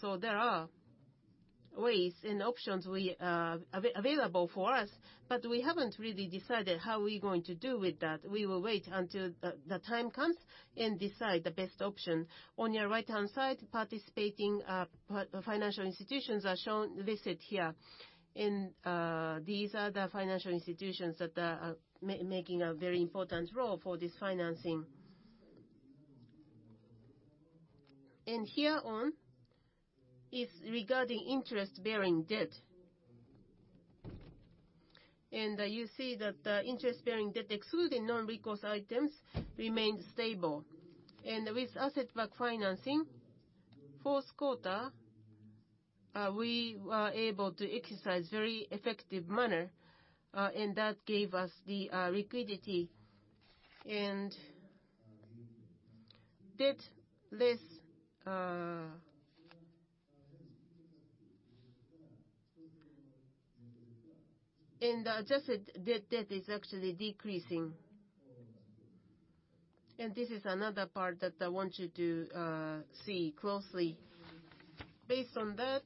So there are ways and options we, available for us, but we haven't really decided how we're going to do with that. We will wait until the time comes and decide the best option. On your right-hand side, participating financial institutions are shown, listed here. These are the financial institutions that are making a very important role for this financing. Here on is regarding interest-bearing debt. You see that the interest-bearing debt excluding non-recourse items remains stable. With asset-backed financing, fourth quarter, we were able to exercise very effective manner, and that gave us the, liquidity and debt less. The adjusted net debt is actually decreasing. This is another part that I want you to see closely. Based on that,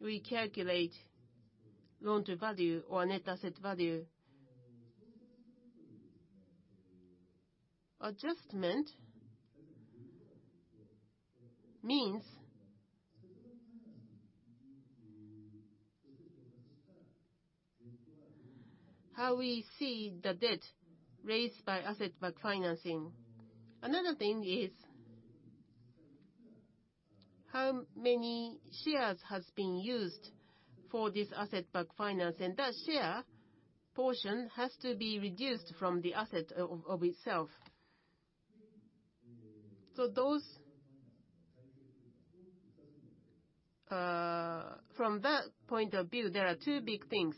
we calculate loan to value or net asset value. Adjustment means how we see the debt raised by asset-backed financing. Another thing is how many shares has been used for this asset-backed finance, and that share portion has to be reduced from the asset of itself. From that point of view, there are two big things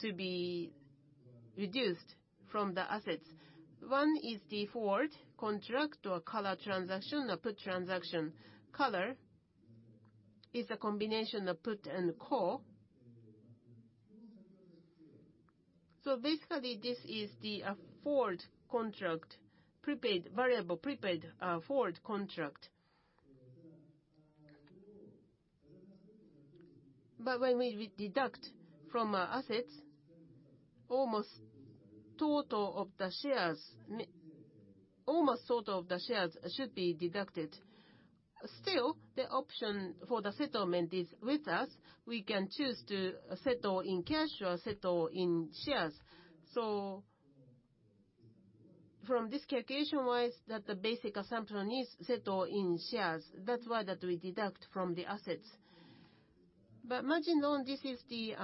to be reduced from the assets. One is the forward contract or collar transaction or put transaction. Collar is a combination of put and call. Basically, this is the forward contract, prepaid, variable prepaid forward contract. But when we deduct from our assets, almost total of the shares should be deducted. Still, the option for the settlement is with us. We can choose to settle in cash or settle in shares. From this calculation-wise, that the basic assumption is settle in shares. That's why we deduct from the assets. Margin loan, this is the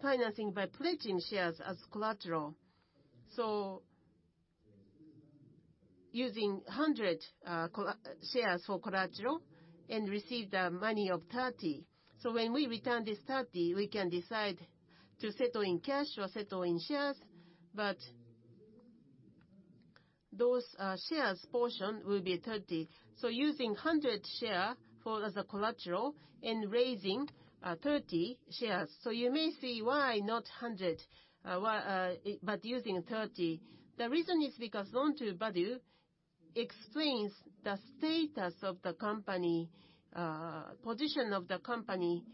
financing by pledging shares as collateral. Using 100 shares for collateral and receive the money of 30. When we return this 30, we can decide to settle in cash or settle in shares, but those shares portion will be 30. Using 100 share for as a collateral and raising 30 shares. You may say, "Why not 100? Why but using 30?" The reason is because loan to value explains the status of the company, position of the company.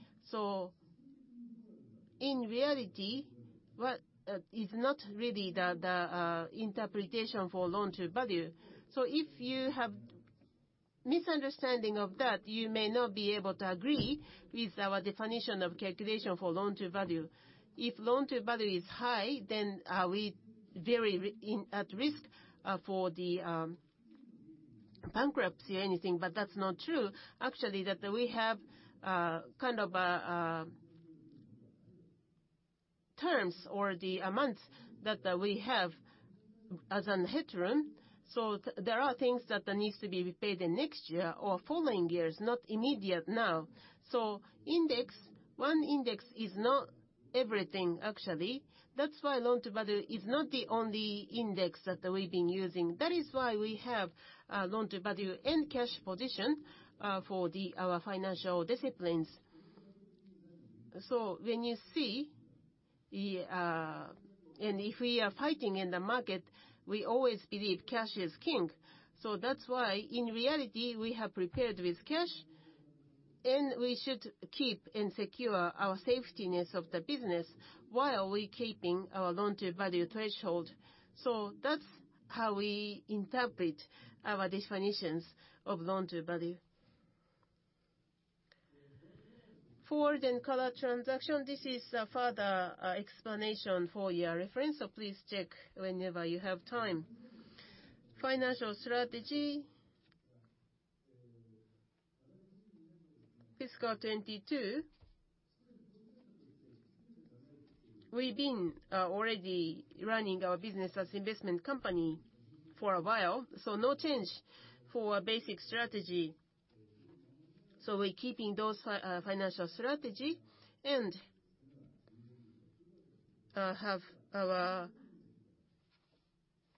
In reality, what is not really the interpretation for loan to value. If you have misunderstanding of that, you may not be able to agree with our definition of calculation for loan-to-value. If loan-to-value is high, then are we very at risk for bankruptcy or anything? But that's not true. Actually, that we have kind of a terms or the amount that we have as a headroom. There are things that needs to be repaid in next year or following years, not immediately now. One index is not everything actually. That's why loan-to-value is not the only index that we've been using. That is why we have loan-to-value and cash position for our financial disciplines. If we are fighting in the market, we always believe cash is king. That's why in reality, we have prepared with cash, and we should keep and secure our safety of the business while we keeping our loan to value threshold. That's how we interpret our definitions of loan to value. Forward and collar transaction. This is a further explanation for your reference. Please check whenever you have time. Financial strategy. Fiscal 2022. We've been already running our business as investment company for a while, so no change for our basic strategy. We're keeping those financial strategy and have our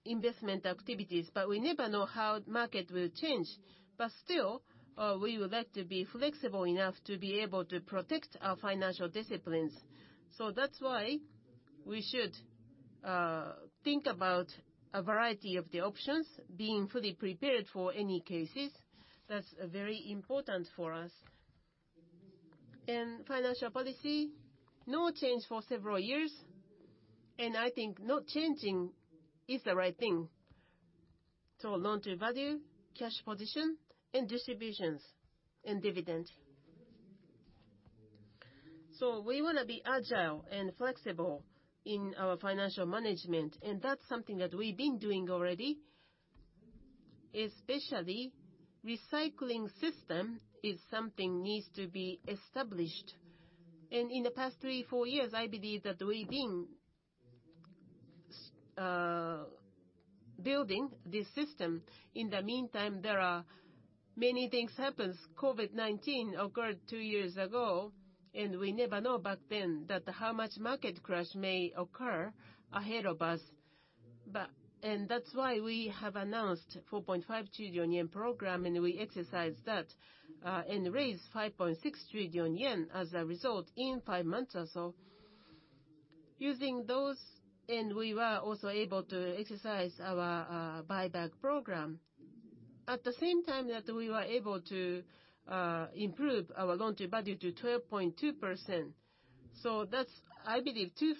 investment activities. We never know how market will change, but still, we would like to be flexible enough to be able to protect our financial disciplines. That's why we should think about a variety of the options, being fully prepared for any cases. That's very important for us. Financial policy, no change for several years, and I think not changing is the right thing. Loan to value, cash position, and distributions, and dividend. We wanna be agile and flexible in our financial management, and that's something that we've been doing already. Especially, recycling system is something needs to be established. In the past 3-4 years, I believe that we've been building this system. In the meantime, there are many things happens. COVID-19 occurred two years ago, and we never know back then that how much market crash may occur ahead of us. But that's why we have announced 4.5 trillion yen program, and we exercised that, and raised 5.6 trillion yen as a result in five months or so. Using those, we were also able to exercise our buyback program. At the same time that we were able to improve our loan to value to 12.2%. That's, I believe, too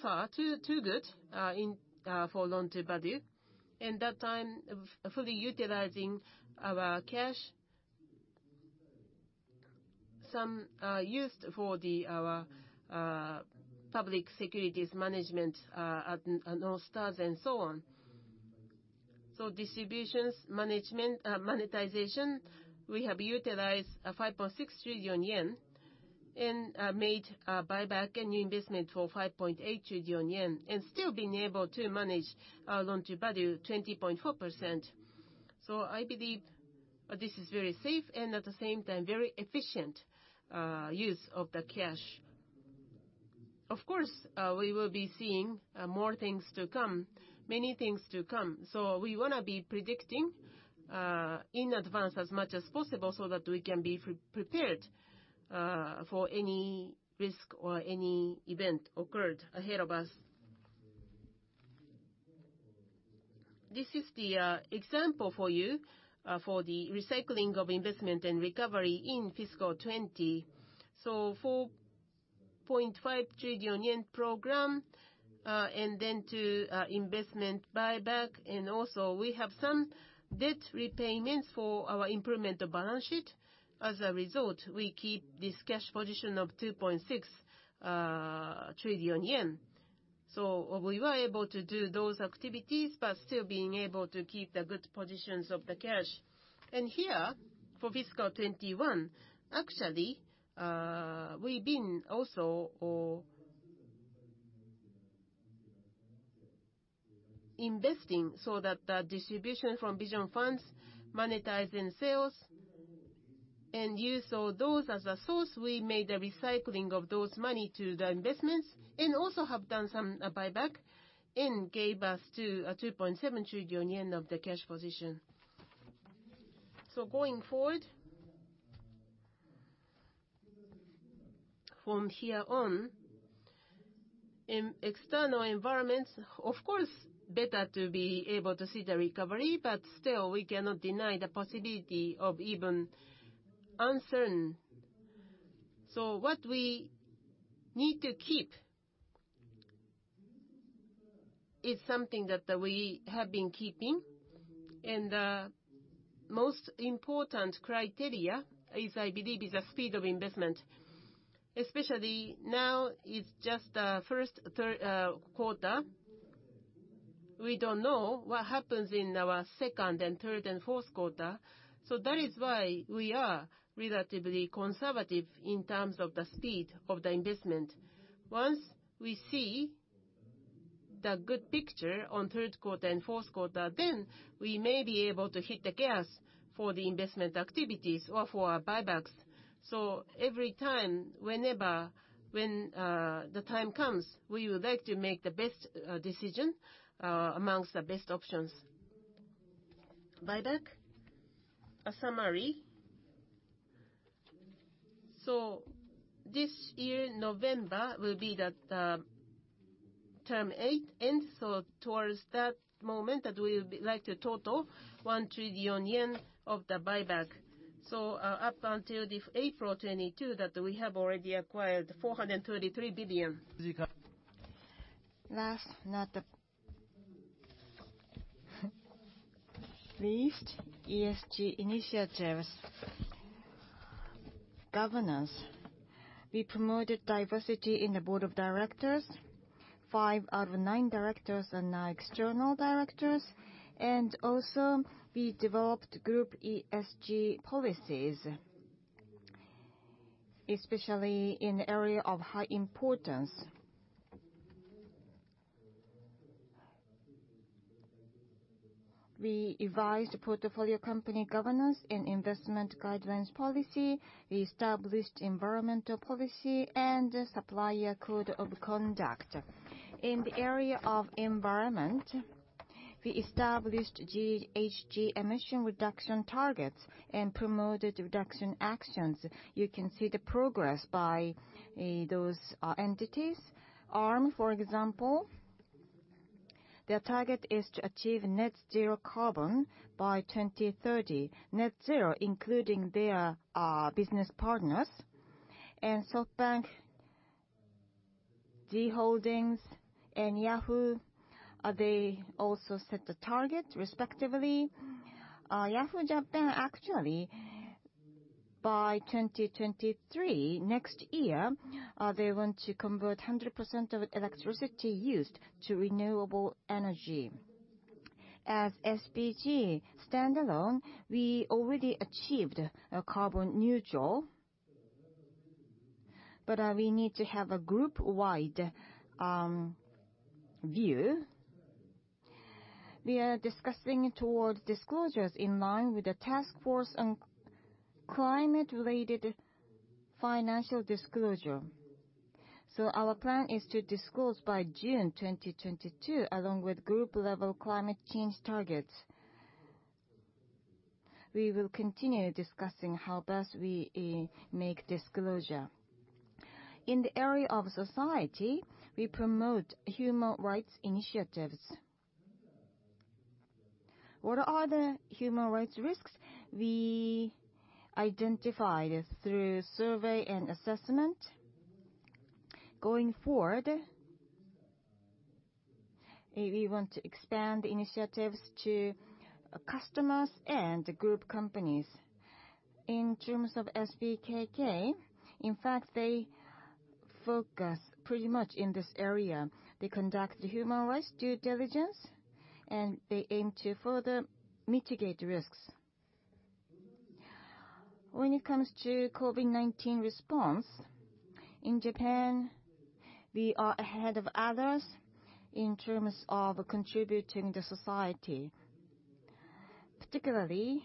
good for loan to value. At that time of fully utilizing our cash, some used for our public securities management at SB Northstar and so on. Distributions, management, monetization, we have utilized 5.6 trillion yen and made a buyback and new investment for 5.8 trillion yen, and still been able to manage our loan to value 20.4%. I believe this is very safe and at the same time, very efficient use of the cash. Of course, we will be seeing more things to come, many things to come. We wanna be predicting in advance as much as possible so that we can be pre-prepared for any risk or any event occurred ahead of us. This is the example for you for the recycling of investment and recovery in fiscal 2020. 4.5 trillion yen program, and then to investment buyback. Also, we have some debt repayments for our improvement of balance sheet. As a result, we keep this cash position of 2.6 trillion yen. We were able to do those activities, but still being able to keep the good positions of the cash. Here, for fiscal 21, actually, we've been also investing so that the distribution from Vision Funds, monetizing sales, and use of those as a source, we made a recycling of those money to the investments and also have done some buyback and gave us to 2.7 trillion yen of the cash position. Going forward, from here on, in external environments, of course, better to be able to see the recovery, but still we cannot deny the possibility of even uncertain. What we need to keep is something that we have been keeping. Most important criteria is, I believe, is the speed of investment. Especially now it's just first third quarter. We don't know what happens in our second and third and fourth quarter. That is why we are relatively conservative in terms of the speed of the investment. Once we see the good picture on third quarter and fourth quarter, then we may be able to hit the gas for the investment activities or for our buybacks. Every time, whenever, when the time comes, we would like to make the best decision amongst the best options. Buyback, a summary. This year, November will be that term eight end, so towards that moment that we would likely total 1 trillion yen of the buyback. Up until April 2022, we have already acquired 433 billion. Last but not the least, ESG initiatives. Governance. We promoted diversity in the board of directors. Five out of nine directors are now external directors. We also developed group ESG policies, especially in the area of high importance. We revised portfolio company governance and investment guidelines policy. We established environmental policy and supplier code of conduct. In the area of environment, we established GHG emission reduction targets and promoted reduction actions. You can see the progress by those entities. Arm, for example, their target is to achieve net zero carbon by 2030. Net zero including their business partners. SoftBank Group and Yahoo Japan, they also set the target respectively. Yahoo Japan actually, by 2023, next year, they want to convert 100% of electricity used to renewable energy. As SBG standalone, we already achieved a carbon neutral, but we need to have a group-wide view. We are discussing toward disclosures in line with the task force on climate-related financial disclosure. Our plan is to disclose by June 2022, along with group level climate change targets. We will continue discussing how best we make disclosure. In the area of society, we promote human rights initiatives. What are the human rights risks? We identified through survey and assessment. Going forward, we want to expand initiatives to customers and group companies. In terms of SBKK, in fact, they focus pretty much in this area. They conduct human rights due diligence, and they aim to further mitigate risks. When it comes to COVID-19 response, in Japan, we are ahead of others in terms of contributing to society. Particularly,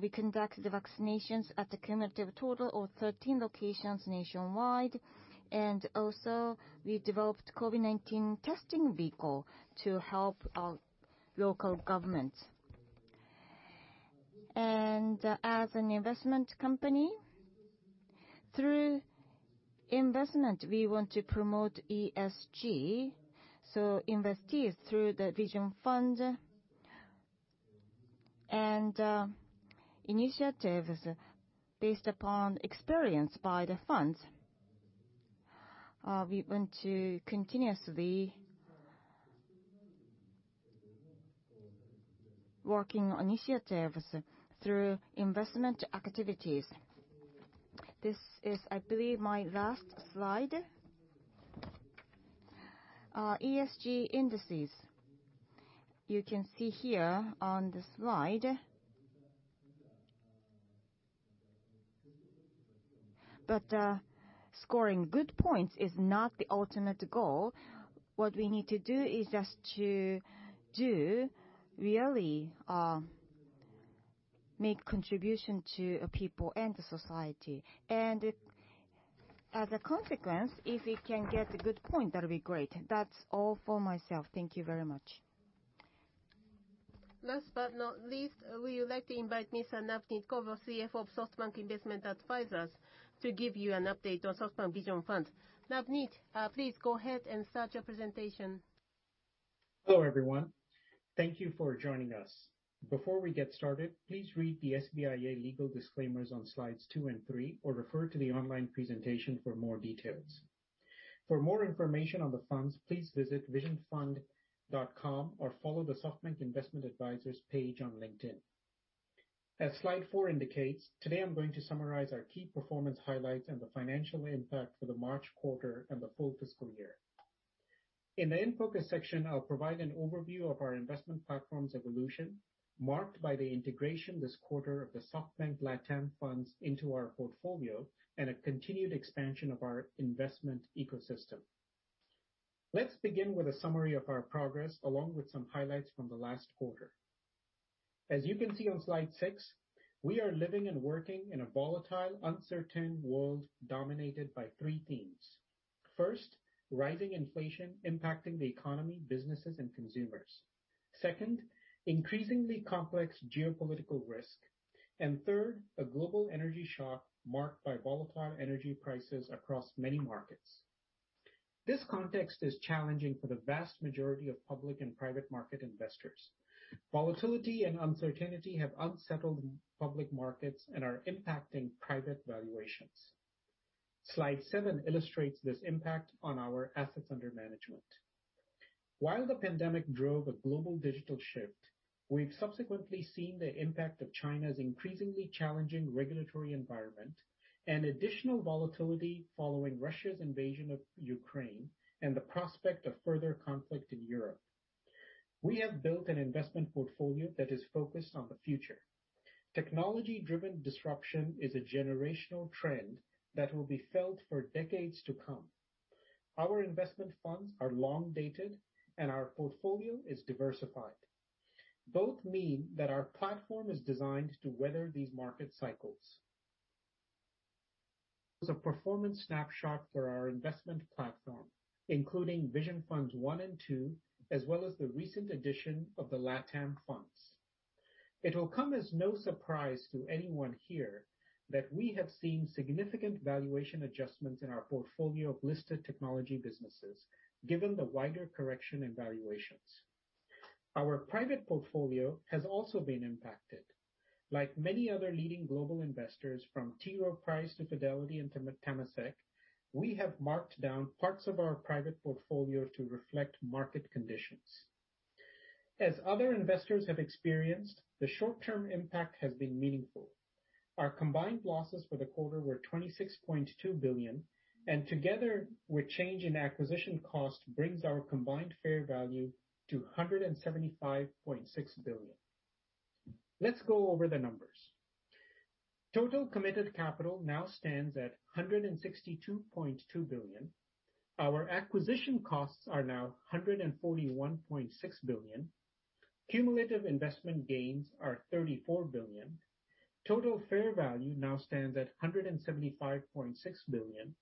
we conduct the vaccinations at the cumulative total of 13 locations nationwide, and also we developed COVID-19 testing vehicle to help our local government. As an investment company, through investment, we want to promote ESG, so invest it through the Vision Fund and initiatives based upon experience by the funds. We want to continuously working on initiatives through investment activities. This is, I believe, my last slide. ESG indices. You can see here on the slide. Scoring good points is not the ultimate goal. What we need to do is just to do, really, make contribution to people and the society. As a consequence, if we can get a good point, that'll be great. That's all for myself. Thank you very much. Last but not least, we would like to invite Mr. Navneet Govil, CFO of SoftBank Investment Advisers, to give you an update on SoftBank Vision Fund. Navneet, please go ahead and start your presentation. Hello, everyone. Thank you for joining us. Before we get started, please read the SBIA legal disclaimers on slides two and three or refer to the online presentation for more details. For more information on the funds, please visit visionfund.com or follow the SoftBank Investment Advisers page on LinkedIn. As slide four indicates, today I'm going to summarize our key performance highlights and the financial impact for the March quarter and the full fiscal year. In the in-focus section, I'll provide an overview of our investment platform's evolution, marked by the integration this quarter of the SoftBank Latin America funds into our portfolio and a continued expansion of our investment ecosystem. Let's begin with a summary of our progress, along with some highlights from the last quarter. As you can see on slide six, we are living and working in a volatile, uncertain world dominated by three themes. First, rising inflation impacting the economy, businesses and consumers. Second, increasingly complex geopolitical risk. Third, a global energy shock marked by volatile energy prices across many markets. This context is challenging for the vast majority of public and private market investors. Volatility and uncertainty have unsettled public markets and are impacting private valuations. Slide seven illustrates this impact on our assets under management. While the pandemic drove a global digital shift, we've subsequently seen the impact of China's increasingly challenging regulatory environment and additional volatility following Russia's invasion of Ukraine and the prospect of further conflict in Europe. We have built an investment portfolio that is focused on the future. Technology-driven disruption is a generational trend that will be felt for decades to come. Our investment funds are long dated and our portfolio is diversified. Both mean that our platform is designed to weather these market cycles. As a performance snapshot for our investment platform, including Vision Funds 1 and two, as well as the recent addition of the LatAm funds. It will come as no surprise to anyone here that we have seen significant valuation adjustments in our portfolio of listed technology businesses, given the wider correction in valuations. Our private portfolio has also been impacted. Like many other leading global investors from T. Rowe Price to Fidelity and Temasek, we have marked down parts of our private portfolio to reflect market conditions. As other investors have experienced, the short-term impact has been meaningful. Our combined losses for the quarter were 26.2 billion, and together with change in acquisition cost, brings our combined fair value to 175.6 billion. Let's go over the numbers. Total committed capital now stands at 162.2 billion. Our acquisition costs are now 141.6 billion. Cumulative investment gains are 34 billion. Total fair value now stands at 175.6 billion,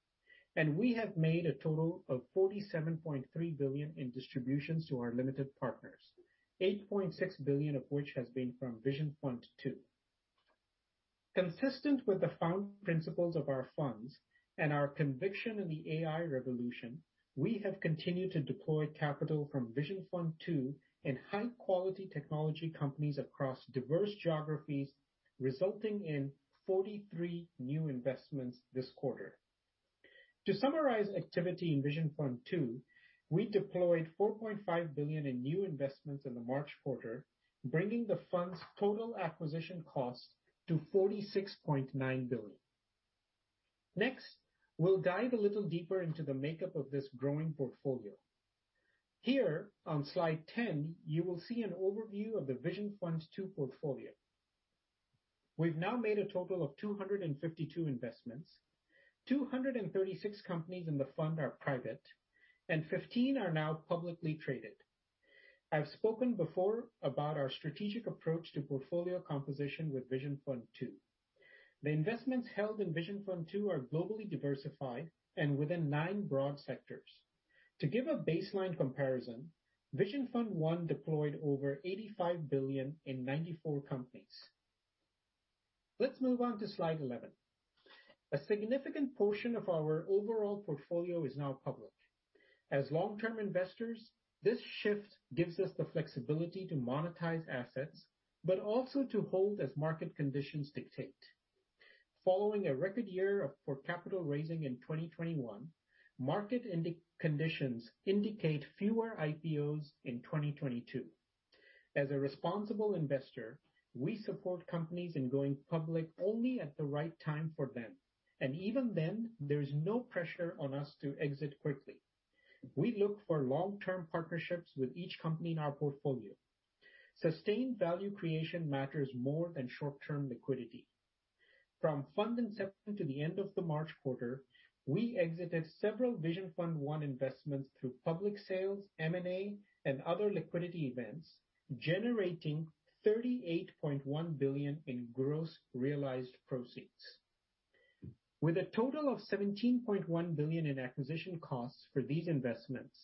and we have made a total of 47.3 billion in distributions to our limited partners, 8.6 billion of which has been from Vision Fund 2. Consistent with the founding principles of our funds and our conviction in the AI revolution, we have continued to deploy capital from Vision Fund 2 in high-quality technology companies across diverse geographies, resulting in 43 new investments this quarter. To summarize activity in Vision Fund 2, we deployed $4.5 billion in new investments in the March quarter, bringing the fund's total acquisition cost to $46.9 billion. Next, we'll dive a little deeper into the makeup of this growing portfolio. Here on slide 10, you will see an overview of the Vision Fund 2 portfolio. We've now made a total of 252 investments. 236 companies in the fund are private and 15 are now publicly traded. I've spoken before about our strategic approach to portfolio composition with Vision Fund 2. The investments held in Vision Fund 2 are globally diversified and within nine broad sectors. To give a baseline comparison, Vision Fund I deployed over $85 billion in 94 companies. Let's move on to slide 11. A significant portion of our overall portfolio is now public. As long-term investors, this shift gives us the flexibility to monetize assets, but also to hold as market conditions dictate. Following a record year of capital raising in 2021, market conditions indicate fewer IPOs in 2022. As a responsible investor, we support companies in going public only at the right time for them, and even then, there is no pressure on us to exit quickly. We look for long-term partnerships with each company in our portfolio. Sustained value creation matters more than short-term liquidity. From fund inception to the end of the March quarter, we exited several Vision Fund 1 investments through public sales, M&A, and other liquidity events, generating 38.1 billion in gross realized proceeds. With a total of 17.1 billion in acquisition costs for these investments,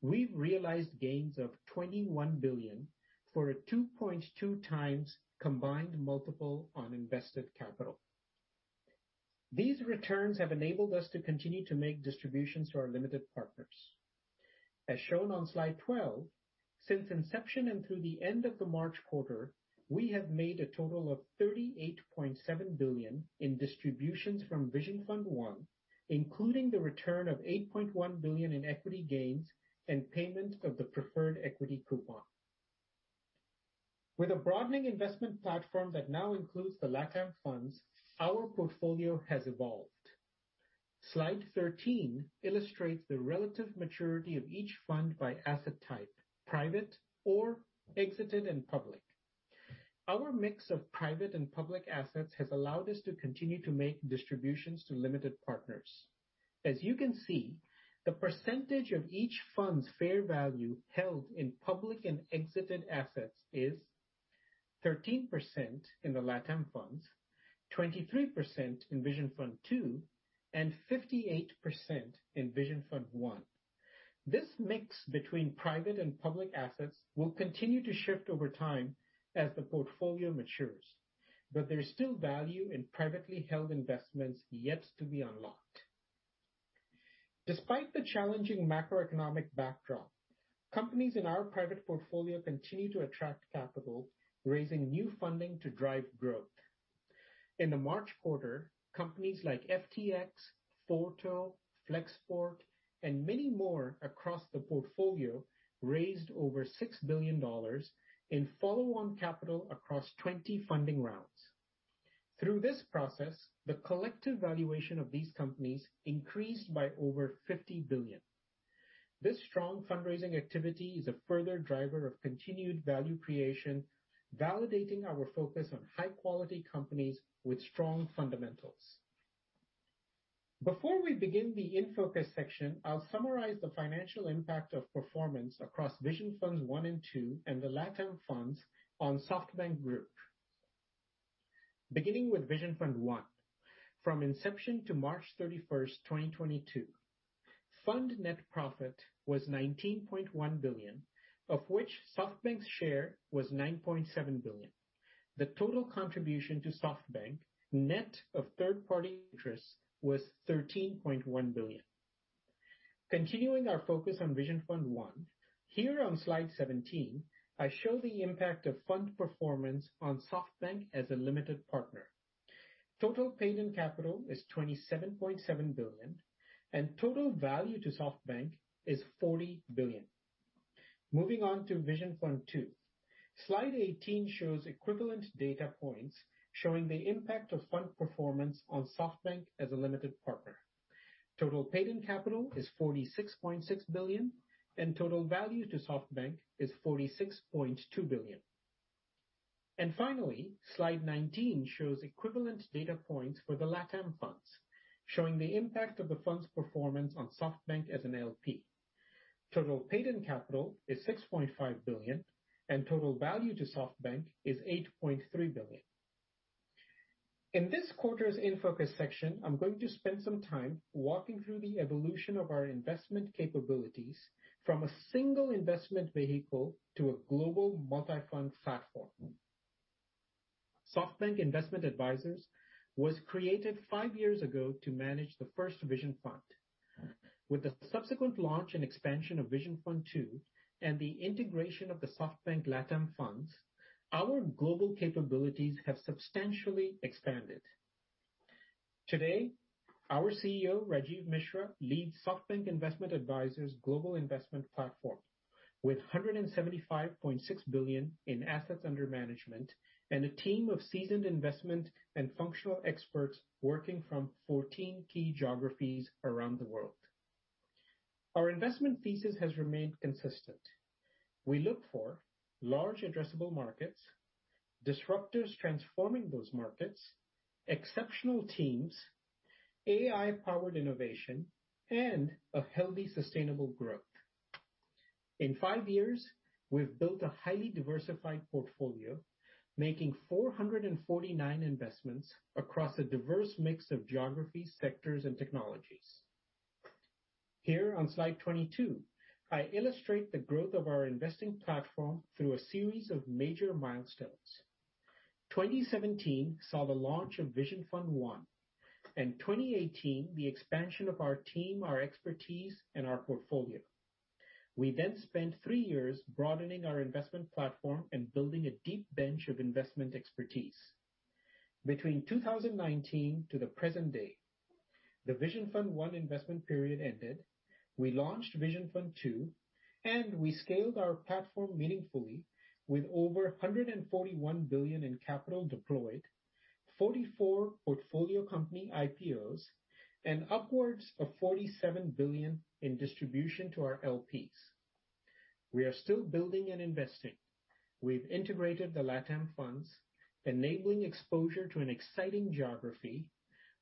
we've realized gains of 21 billion for a 2.2x combined multiple on invested capital. These returns have enabled us to continue to make distributions to our limited partners. As shown on slide 12, since inception and through the end of the March quarter, we have made a total of $38.7 billion in distributions from Vision Fund 1, including the return of $8.1 billion in equity gains and payment of the preferred equity coupon. With a broadening investment platform that now includes the LatAm Funds, our portfolio has evolved. Slide 13 illustrates the relative maturity of each fund by asset type, private or exited and public. Our mix of private and public assets has allowed us to continue to make distributions to limited partners. As you can see, the percentage of each fund's fair value held in public and exited assets is 13% in the LatAm Funds, 23% in Vision Fund 2, and 58% in Vision Fund 1. This mix between private and public assets will continue to shift over time as the portfolio matures, but there is still value in privately held investments yet to be unlocked. Despite the challenging macroeconomic backdrop, companies in our private portfolio continue to attract capital, raising new funding to drive growth. In the March quarter, companies like FTX, Forto, Flexport, and many more across the portfolio raised over $6 billion in follow-on capital across 20 funding rounds. Through this process, the collective valuation of these companies increased by over $50 billion. This strong fundraising activity is a further driver of continued value creation, validating our focus on high quality companies with strong fundamentals. Before we begin the in-focus section, I'll summarize the financial impact of performance across Vision Funds 1 and 2 and the LatAM Funds on SoftBank Group. Beginning with Vision Fund 1. From inception to March 31, 2022, fund net profit was 19.1 billion, of which SoftBank's share was 9.7 billion. The total contribution to SoftBank, net of third-party interest, was 13.1 billion. Continuing our focus on Vision Fund 1, here on slide 17, I show the impact of fund performance on SoftBank as a limited partner. Total paid-in capital is 27.7 billion, and total value to SoftBank is 40 billion. Moving on to Vision Fund 2. Slide 18 shows equivalent data points showing the impact of fund performance on SoftBank as a limited partner. Total paid-in capital is 46.6 billion, and total value to SoftBank is 46.2 billion. Finally, slide 19 shows equivalent data points for the Latin America Funds, showing the impact of the fund's performance on SoftBank as an LP. Total paid-in capital is 6.5 billion, and total value to SoftBank is 8.3 billion. In this quarter's in-focus section, I'm going to spend some time walking through the evolution of our investment capabilities from a single investment vehicle to a global multi-fund platform. SoftBank Investment Advisers was created five years ago to manage the first Vision Fund. With the subsequent launch and expansion of Vision Fund 2 and the integration of the SoftBank Latin America Funds, our global capabilities have substantially expanded. Today, our CEO, Rajeev Misra, leads SoftBank Investment Advisers' global investment platform with 175.6 billion in assets under management and a team of seasoned investment and functional experts working from 14 key geographies around the world. Our investment thesis has remained consistent. We look for large addressable markets, disruptors transforming those markets, exceptional teams, AI-powered innovation, and a healthy, sustainable growth. In five years, we've built a highly diversified portfolio, making 449 investments across a diverse mix of geographies, sectors, and technologies. Here on slide 22, I illustrate the growth of our investing platform through a series of major milestones. 2017 saw the launch of Vision Fund 1, and 2018, the expansion of our team, our expertise, and our portfolio. We spent three years broadening our investment platform and building a deep bench of investment expertise. Between 2019 to the present day, the Vision Fund 1 investment period ended, we launched Vision Fund 2, and we scaled our platform meaningfully with over 141 billion in capital deployed, 44 portfolio company IPOs, and upwards of 47 billion in distribution to our LPs. We are still building and investing. We've integrated the LatAm Funds, enabling exposure to an exciting geography.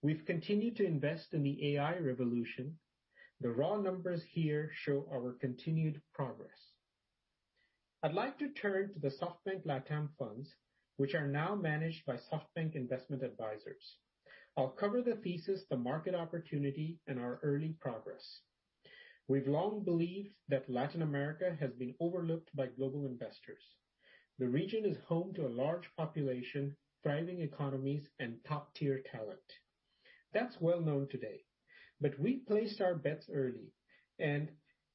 We've continued to invest in the AI revolution. The raw numbers here show our continued progress. I'd like to turn to the SoftBank LatAm Funds, which are now managed by SoftBank Investment Advisers. I'll cover the thesis, the market opportunity, and our early progress. We've long believed that Latin America has been overlooked by global investors. The region is home to a large population, thriving economies, and top-tier talent. That's well known today, but we placed our bets early and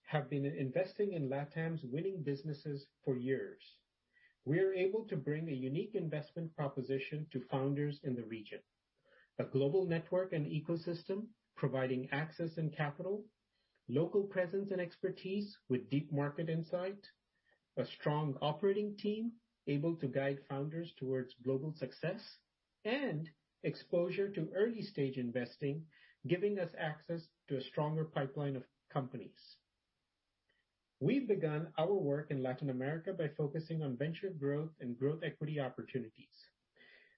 have been investing in LatAm's winning businesses for years. We are able to bring a unique investment proposition to founders in the region, a global network and ecosystem providing access and capital, local presence and expertise with deep market insight, a strong operating team able to guide founders towards global success and exposure to early-stage investing, giving us access to a stronger pipeline of companies. We've begun our work in Latin America by focusing on venture growth and growth equity opportunities.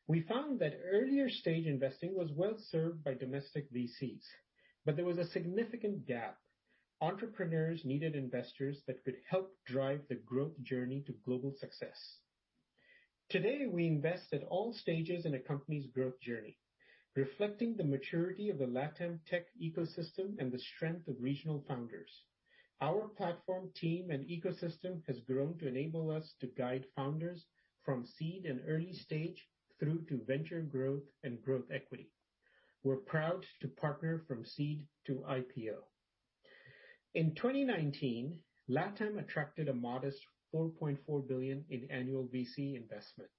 We found that earlier-stage investing was well-served by domestic VCs, but there was a significant gap. Entrepreneurs needed investors that could help drive the growth journey to global success. Today, we invest at all stages in a company's growth journey, reflecting the maturity of the LatAm tech ecosystem and the strength of regional founders. Our platform, team, and ecosystem has grown to enable us to guide founders from seed and early stage through to venture growth and growth equity. We're proud to partner from seed to IPO. In 2019, LatAm attracted a modest 4.4 billion in annual VC investment,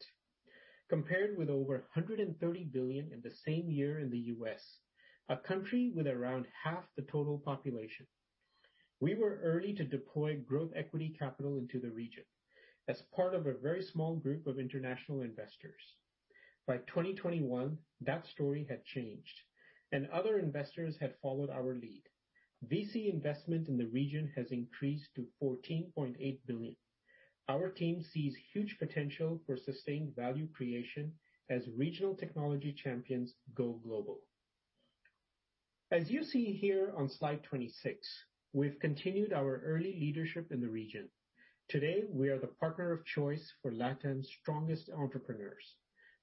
compared with over JPY $130 billion in the same year in the U.S., a country with around half the total population. We were early to deploy growth equity capital into the region as part of a very small group of international investors. By 2021, that story had changed and other investors had followed our lead. VC investment in the region has increased to 14.8 billion. Our team sees huge potential for sustained value creation as regional technology champions go global. As you see here on slide 26, we've continued our early leadership in the region. Today, we are the partner of choice for LatAm's strongest entrepreneurs.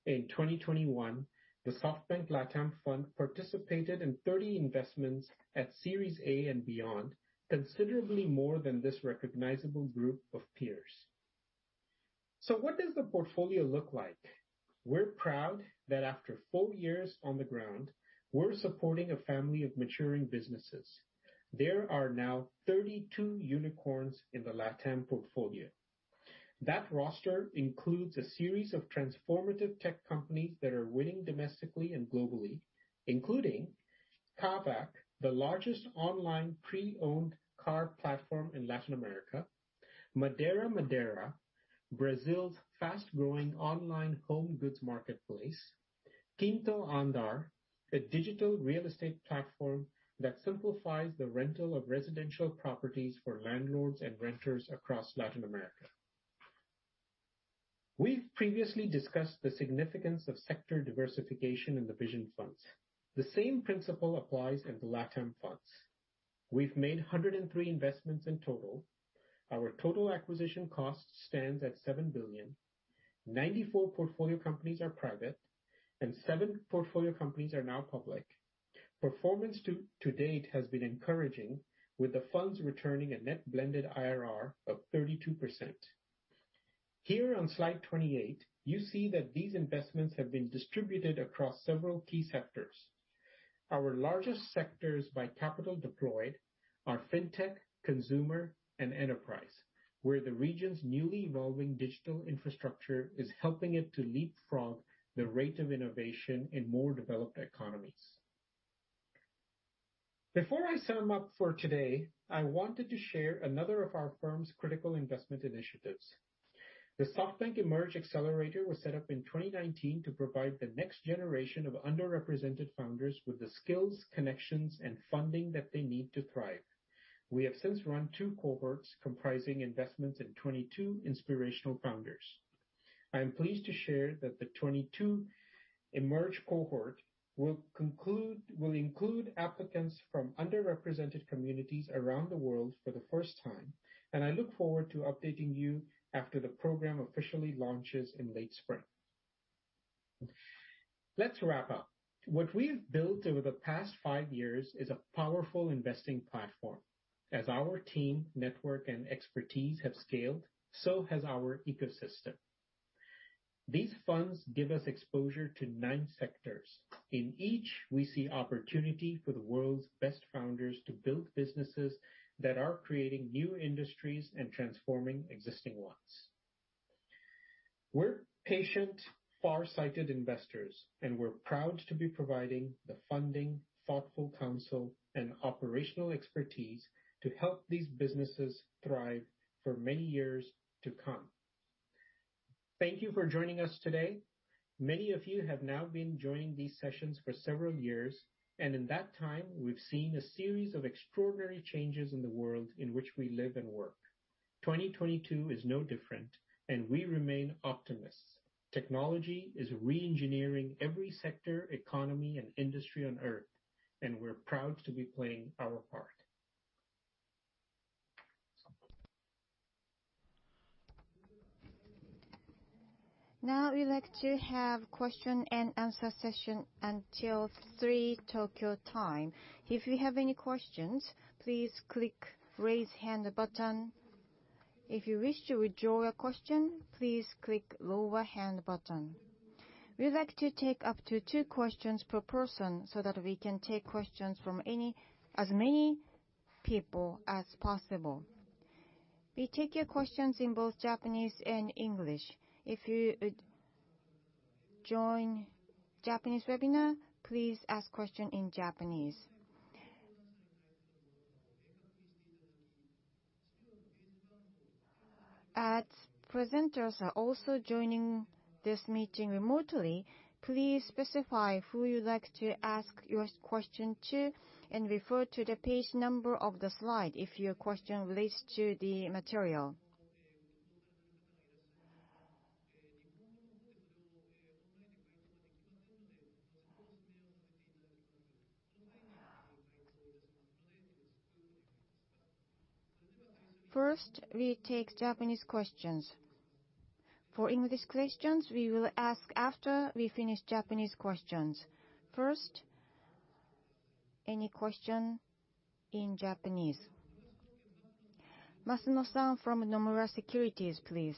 In 2021, the SoftBank LatAm Fund participated in 30 investments at Series A and beyond, considerably more than this recognizable group of peers. What does the portfolio look like? We're proud that after four years on the ground, we're supporting a family of maturing businesses. There are now 32 unicorns in the LatAm portfolio. That roster includes a series of transformative tech companies that are winning domestically and globally, including Kavak, the largest online pre-owned car platform in Latin America. MadeiraMadeira, Brazil's fast-growing online home goods marketplace. QuintoAndar, a digital real estate platform that simplifies the rental of residential properties for landlords and renters across Latin America. We've previously discussed the significance of sector diversification in the Vision Funds. The same principle applies in the LatAm Funds. We've made 103 investments in total. Our total acquisition cost stands at 7 billion. 94 portfolio companies are private, and seven portfolio companies are now public. Performance to date has been encouraging, with the funds returning a net blended IRR of 32%. Here on slide 28, you see that these investments have been distributed across several key sectors. Our largest sectors by capital deployed are fintech, consumer, and enterprise, where the region's newly evolving digital infrastructure is helping it to Leapfrog the rate of innovation in more developed economies. Before I sum up for today, I wanted to share another of our firm's critical investment initiatives. The SoftBank Emerge Accelerator was set up in 2019 to provide the next generation of underrepresented founders with the skills, connections, and funding that they need to thrive. We have since run two cohorts comprising investments in 22 inspirational founders. I am pleased to share that the 22 Emerge cohort will include applicants from underrepresented communities around the world for the first time, and I look forward to updating you after the program officially launches in late spring. Let's wrap up. What we have built over the past five years is a powerful investing platform. As our team, network, and expertise have scaled, so has our ecosystem. These funds give us exposure to nine sectors. In each, we see opportunity for the world's best founders to build businesses that are creating new industries and transforming existing ones. We're patient, farsighted investors, and we're proud to be providing the funding, thoughtful counsel, and operational expertise to help these businesses thrive for many years to come. Thank you for joining us today. Many of you have now been joining these sessions for several years, and in that time, we've seen a series of extraordinary changes in the world in which we live and work. 2022 is no different, and we remain optimists. Technology is re-engineering every sector, economy, and industry on Earth, and we're proud to be playing our part. Now, we'd like to have question and answer session until 3:00 P.M. Tokyo time. If you have any questions, please click Raise Hand button. If you wish to withdraw your question, please click Lower Hand button. We'd like to take up to two questions per person so that we can take questions from any, as many people as possible. We take your questions in both Japanese and English. If you join Japanese webinar, please ask question in Japanese. As presenters are also joining this meeting remotely, please specify who you'd like to ask your question to and refer to the page number of the slide if your question relates to the material. First, we take Japanese questions. For English questions, we will ask after we finish Japanese questions. First, any question in Japanese? Masuno-san from Nomura Securities, please.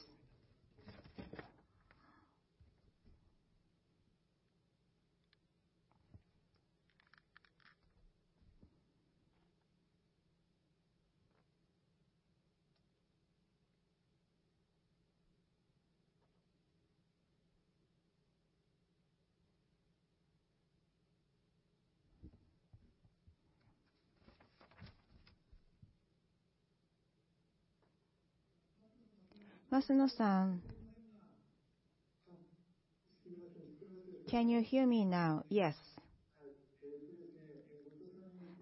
Masuno-san, can you hear me now? Yes.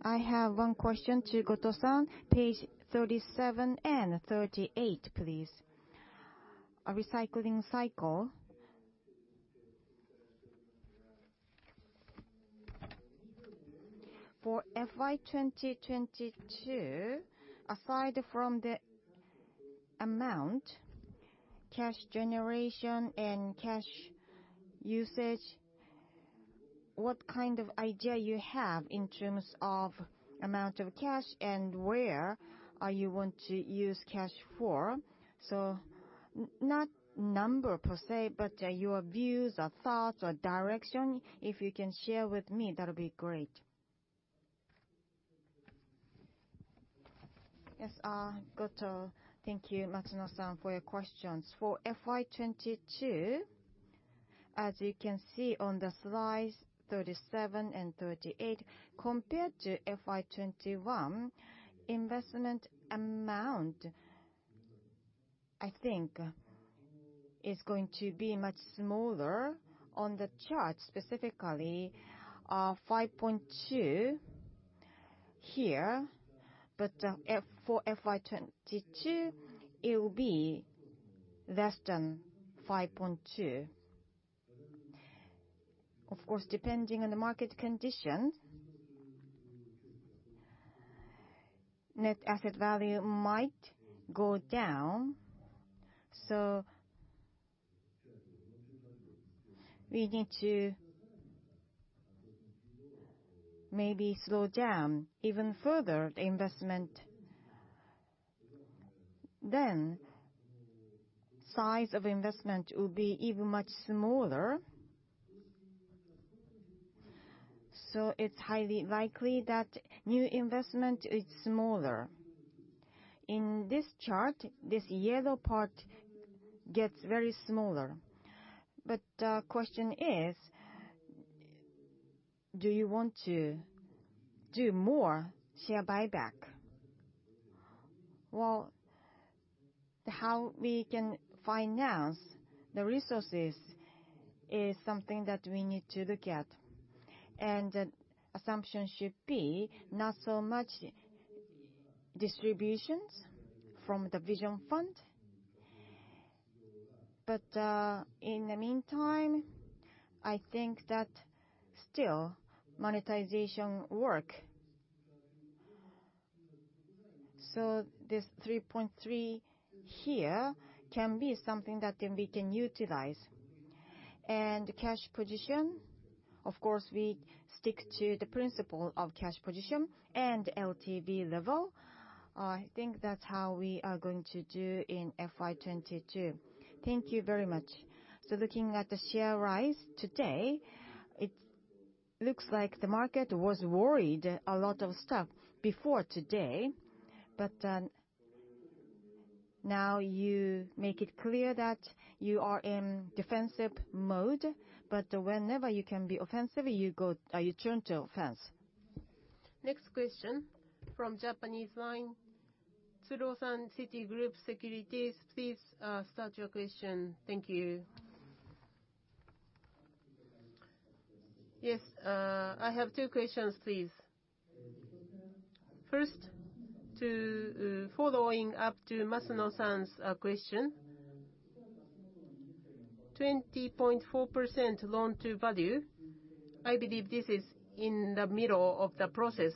I have one question to Goto-san. Page 37 and 38, please. A recycling cycle. For FY 2022, aside from the amount, cash generation and cash usage, what kind of idea you have in terms of amount of cash and where you want to use cash for? So not number per se, but your views or thoughts or direction, if you can share with me, that'll be great. Yes, Goto. Thank you, Masuno-san, for your questions. For FY 2022, as you can see on the slides 37 and 38, compared to FY 2021, investment amount, I think, is going to be much smaller. On the chart, specifically, 5.2 here, but for FY 2022, it will be less than 5.2. Of course, depending on the market condition, net asset value might go down, so we need to maybe slow down even further the investment. Size of investment will be even much smaller. It's highly likely that new investment is smaller. In this chart, this yellow part gets very smaller. The question is, do you want to do more share buyback? Well, how we can finance the resources is something that we need to look at. Assumption should be not so much distributions from the Vision Fund. In the meantime, I think that still monetization work. This 3.3 here can be something that can, we can utilize. Cash position, of course, we stick to the principle of cash position and LTV level. I think that's how we are going to do in FY22. Thank you very much. Looking at the share rise today, it looks like the market was worried a lot of stuff before today, but now you make it clear that you are in defensive mode, but whenever you can be offensive, you go, you turn to offense. Next question from Japanese line, Tsuruo-san, Citigroup Securities. Please start your question. Thank you. Yes. I have two questions, please. First, following up to Masuno-san's question. 20.4% loan to value, I believe this is in the middle of the process.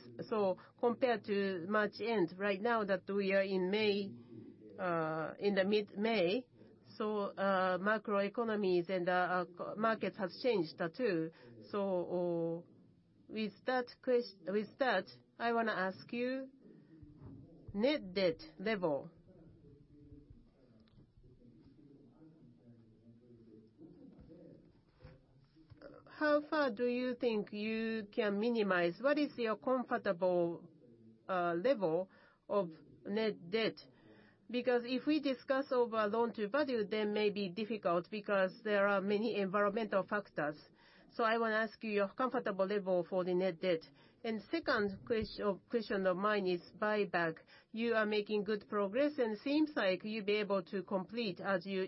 Compared to March end right now that we are in May, in mid-May, macroeconomies and markets have changed too. With that, I wanna ask you net debt level. How far do you think you can minimize? What is your comfortable level of net debt? Because if we discuss over loan to value, that may be difficult because there are many environmental factors. I wanna ask you your comfortable level for the net debt. Second question of mine is buyback. You are making good progress, and it seems like you'll be able to complete as you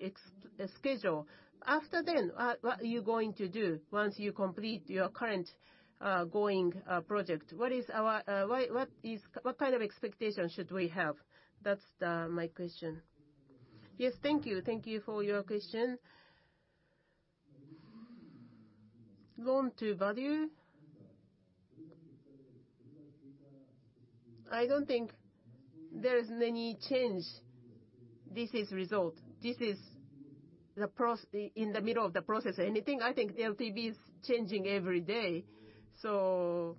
schedule. After then, what are you going to do once you complete your current project? What kind of expectation should we have? That's my question. Yes. Thank you. Thank you for your question. Loan to value, I don't think there is any change. This is result. This is in the middle of the process. Anything, I think the LTV is changing every day. So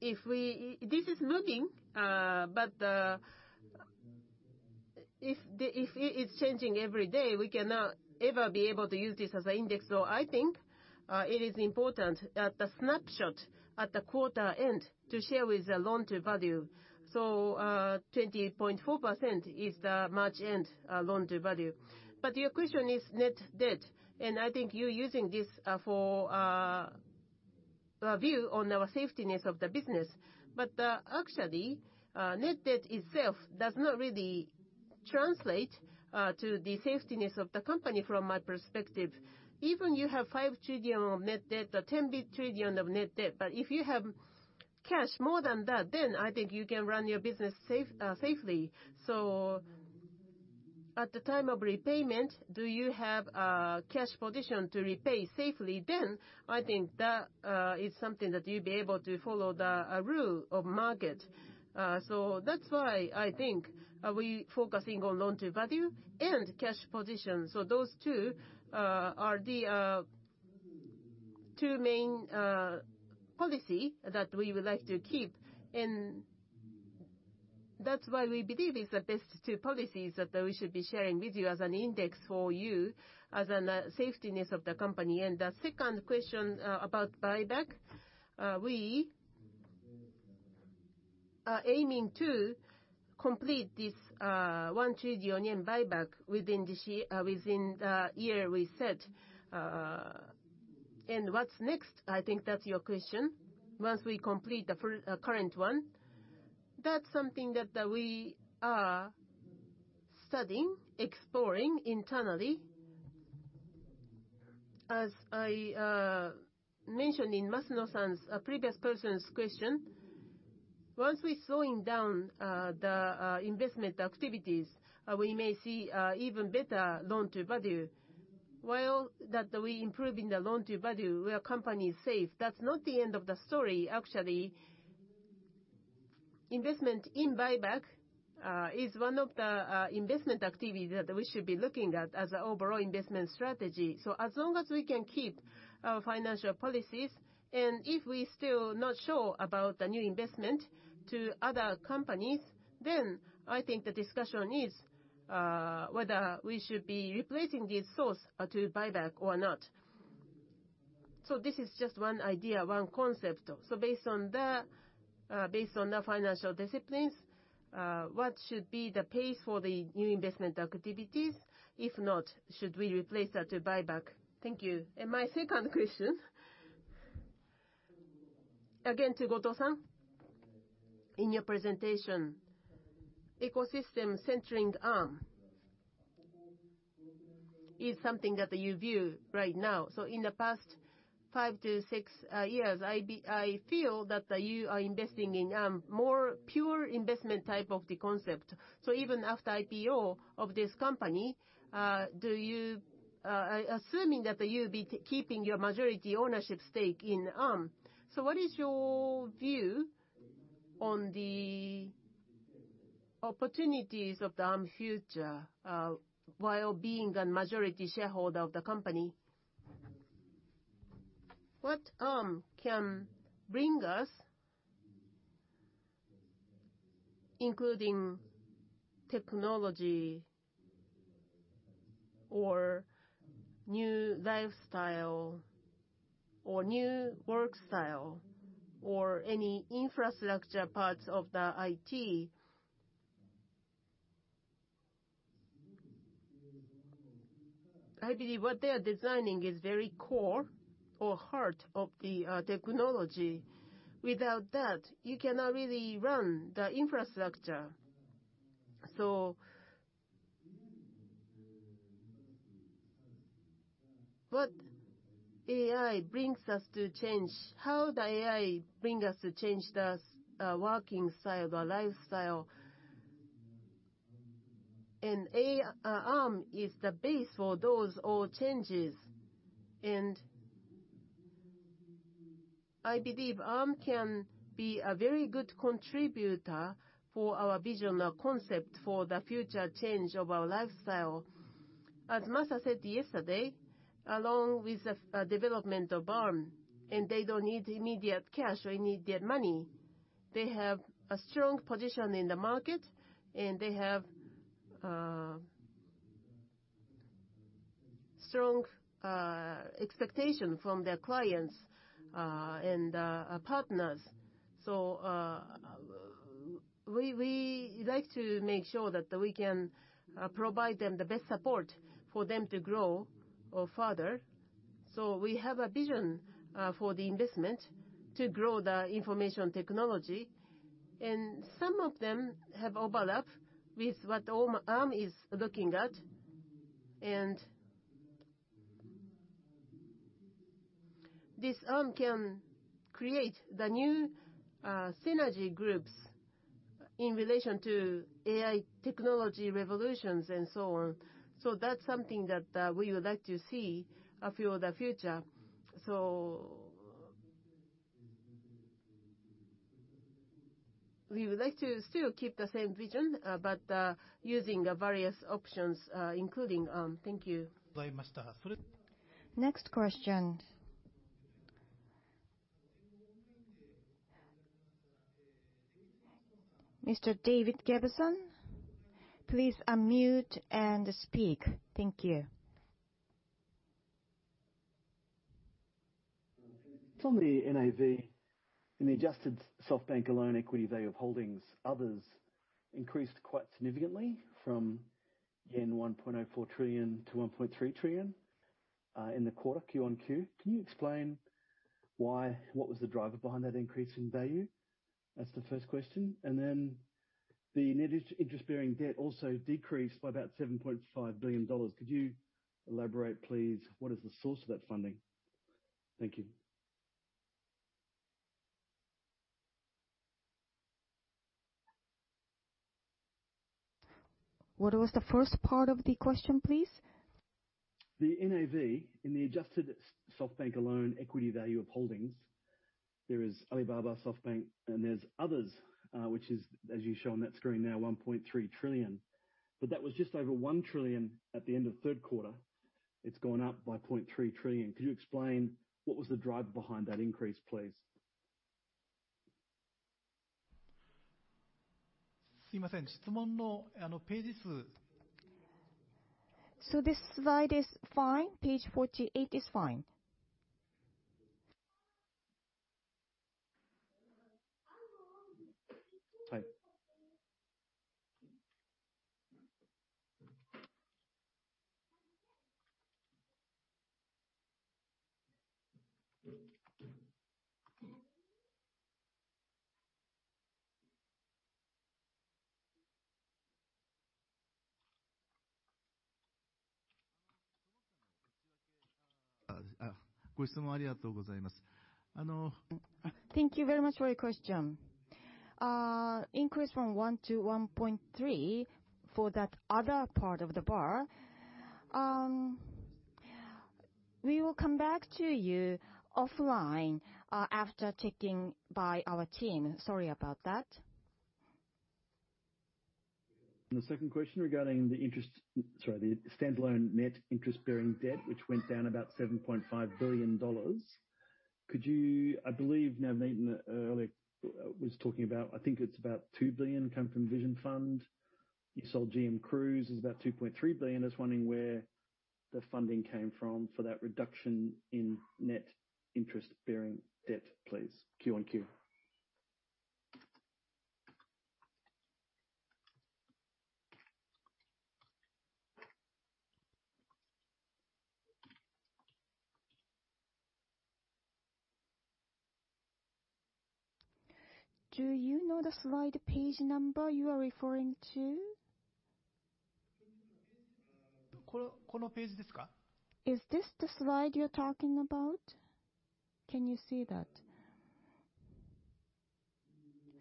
if we, this is moving, but, if it's changing every day, we cannot ever be able to use this as an index. So I think, it is important at the snapshot at the quarter end to share with the loan to value. 20.4% is the March end loan to value. Your question is net debt, and I think you're using this for a view on our safetiness of the business. Actually, net debt itself does not really translate to the safetiness of the company from my perspective. Even you have 5 trillion of net debt or 10 trillion of net debt, but if you have cash more than that, then I think you can run your business safely. At the time of repayment, do you have cash position to repay safely? Then I think that is something that you'll be able to follow the rule of market. That's why I think we are focusing on loan to value and cash position. Those two are the two main policies that we would like to keep. That's why we believe it's the best two policies that we should be sharing with you as an index of the safeness of the company. The second question about buyback, we are aiming to complete this 1 trillion yen buyback within this year, within the year we set. What's next? I think that's your question. Once we complete the current one, that's something that we are studying, exploring internally. As I mentioned in Masano-san's previous question, once we slow down the investment activities, we may see even better loan-to-value. While we improve the loan-to-value, our company is safe. That's not the end of the story. Actually, investment in buyback is one of the investment activity that we should be looking at as an overall investment strategy. As long as we can keep our financial policies, and if we still not sure about the new investment to other companies, then I think the discussion is whether we should be replacing this source to buyback or not. This is just one idea, one concept. Based on that, based on the financial disciplines, what should be the pace for the new investment activities? If not, should we replace that to buyback? Thank you. My second question, again, to Goto-san. In your presentation, ecosystem centering Arm is something that you view right now. In the past 5-6 years, I feel that you are investing in more pure investment type of the concept. Even after IPO of this company, do you, assuming that you'll be keeping your majority ownership stake in Arm? What is your view on the opportunities of the Arm future, while being a majority shareholder of the company, what Arm can bring us, including technology or new lifestyle or new work style or any infrastructure parts of the IT? I believe what they are designing is very core or heart of the technology. Without that, you cannot really run the infrastructure. What AI brings us to change, how the AI bring us to change the working style, the lifestyle, and Arm is the base for those all changes. I believe Arm can be a very good contributor for our vision or concept for the future change of our lifestyle. As Masa said yesterday, along with the development of Arm, they don't need immediate cash or immediate money. They have a strong position in the market, and they have strong expectation from their clients and partners. We like to make sure that we can provide them the best support for them to grow further. We have a vision for the investment to grow the information technology, and some of them have overlap with what Arm is looking at. This Arm can create the new synergy groups in relation to AI technology revolutions and so on. That's something that we would like to see a few of the future. We would like to still keep the same vision, but using various options, including. Thank you. Next question. Mr. David Gabison, please unmute and speak. Thank you. On the NAV, in the Adjusted SoftBank standalone equity value of holdings, others increased quite significantly from 1.04 trillion-1.3 trillion yen in the quarter Q1 FY. Can you explain why? What was the driver behind that increase in value? That's the first question. Then the net interest-bearing debt also decreased by about $7.5 billion. Could you elaborate, please? What is the source of that funding? Thank you. What was the first part of the question, please? The NAV in the adjusted SoftBank alone equity value of holdings. There is Alibaba, SoftBank, and there's others, which is, as you show on that screen now, 1.3 trillion. That was just over 1 trillion at the end of third quarter. It's gone up by 0.3 trillion. Could you explain what was the driver behind that increase, please? This slide is fine. Page 48 is fine. Thank you very much for your question. Increase from 1-1.3 for that other part of the bar. We will come back to you offline, after checking by our team. Sorry about that. The stand-alone net interest-bearing debt, which went down about $7.5 billion, could you. I believe Navneet earlier was talking about I think it's about $2 billion come from Vision Fund. You sold GM Cruise. It's about $2.3 billion. Just wondering where the funding came from for that reduction in net interest-bearing debt, please, Q-on-Q? Do you know the slide page number you are referring to? Is this the slide you're talking about? Can you see that?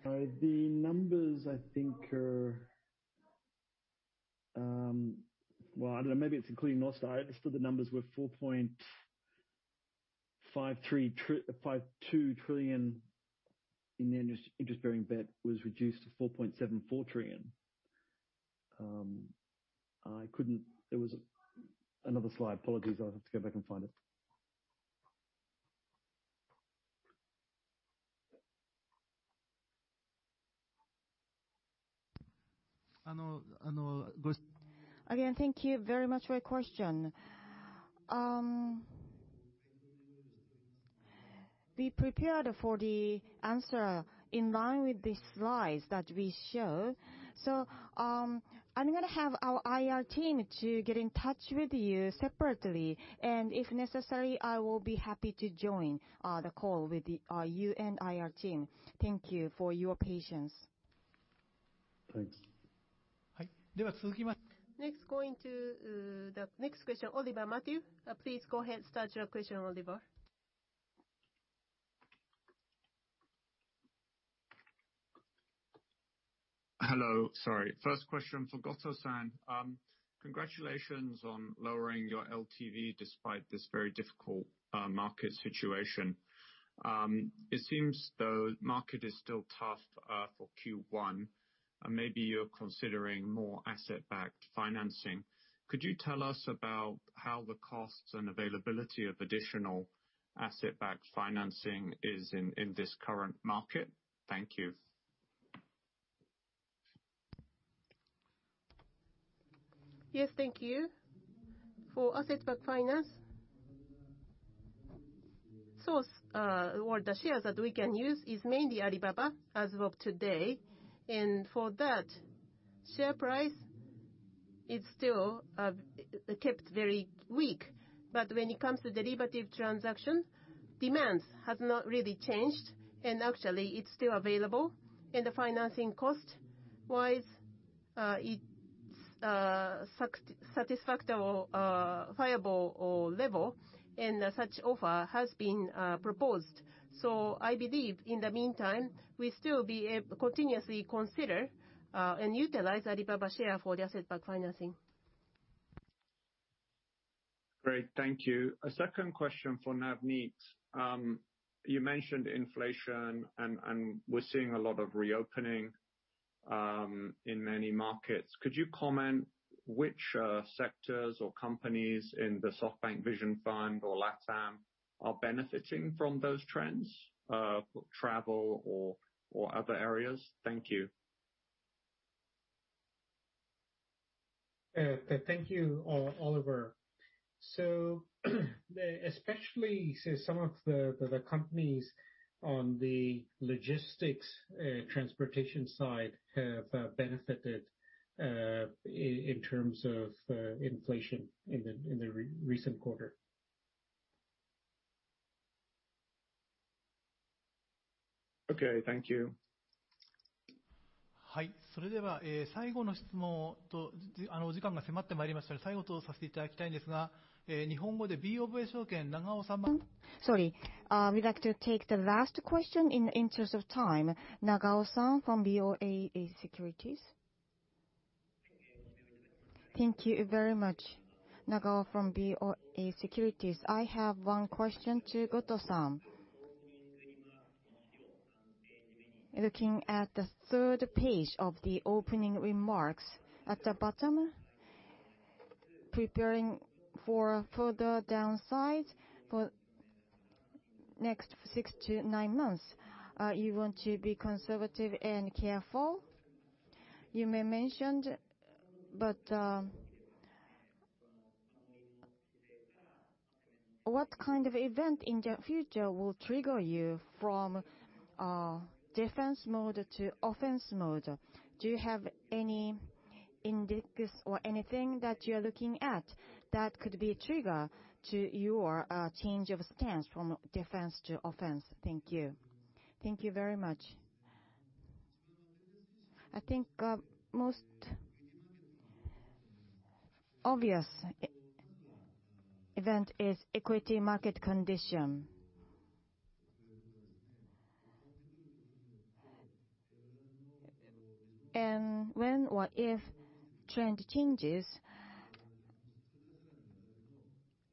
The numbers I think are, well, I don't know. Maybe it's including SB Northstar. I just thought the numbers were 5.2 trillion in the interest-bearing debt was reduced to 4.74 trillion. I couldn't. There was another slide. Apologies, I'll have to go back and find it. Again, thank you very much for your question. We prepared for the answer in line with the slides that we show. I'm gonna have our IR team to get in touch with you separately, and if necessary, I will be happy to join the call with you and IR team. Thank you for your patience. Thanks. Next, going to the next question, Oliver Matthew. Please go ahead, start your question, Oliver. Hello. Sorry. First question for Goto-san. Congratulations on lowering your LTV despite this very difficult market situation. It seems though market is still tough for Q1, and maybe you're considering more asset-backed financing. Could you tell us about how the costs and availability of additional asset-backed financing is in this current market? Thank you. Yes. Thank you. For asset-backed finance, source or the shares that we can use is mainly Alibaba as of today. For that, share price is still kept very weak. When it comes to derivative transaction, demands has not really changed, and actually it's still available. The financing cost-wise, it's satisfactory viable level and such offer has been proposed. I believe in the meantime, we still be continuously consider and utilize Alibaba share for the asset-backed financing. Great. Thank you. A second question for Navneet. You mentioned inflation and we're seeing a lot of reopening in many markets. Could you comment which sectors or companies in the SoftBank Vision Fund or LatAm are benefiting from those trends, travel or other areas? Thank you. Thank you, Oliver. Especially, say, some of the companies on the logistics, transportation side have benefited in terms of inflation in the recent quarter. Okay. Thank you. Sorry, we'd like to take the last question in terms of time. Nagao-san from BofA Securities. Thank you very much. Nagao from BofA Securities. I have one question to Goto-san. Looking at the third page of the opening remarks, at the bottom, preparing for further downside for next 6-9 months, you want to be conservative and careful, you mentioned. What kind of event in the future will trigger you from defense mode to offense mode? Do you have any index or anything that you're looking at that could be a trigger to your change of stance from defense to offense? Thank you. Thank you very much. I think, most obvious event is equity market condition. When or if trend changes,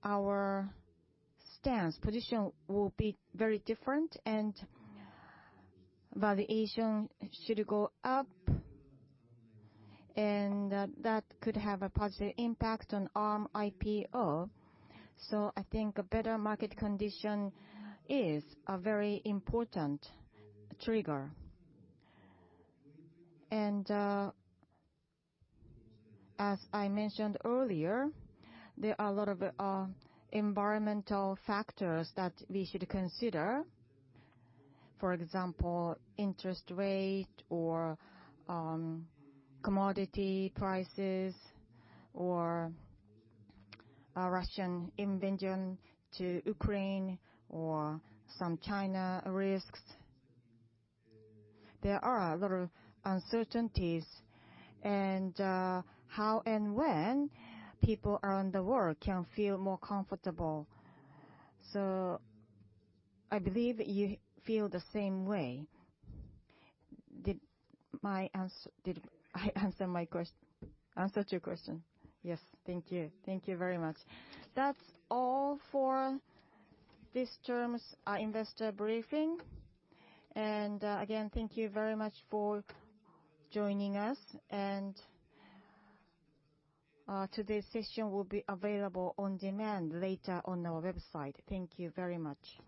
our stance position will be very different and valuation should go up, and that could have a positive impact on Arm IPO. I think a better market condition is a very important trigger. As I mentioned earlier, there are a lot of environmental factors that we should consider. For example, interest rate or commodity prices, or Russian invasion of Ukraine or some China risks. There are a lot of uncertainties and how and when people around the world can feel more comfortable. I believe you feel the same way. Did I answer your question? Yes. Thank you. Thank you very much. That's all for this term's investor briefing. Again, thank you very much for joining us. Today's session will be available on demand later on our website. Thank you very much.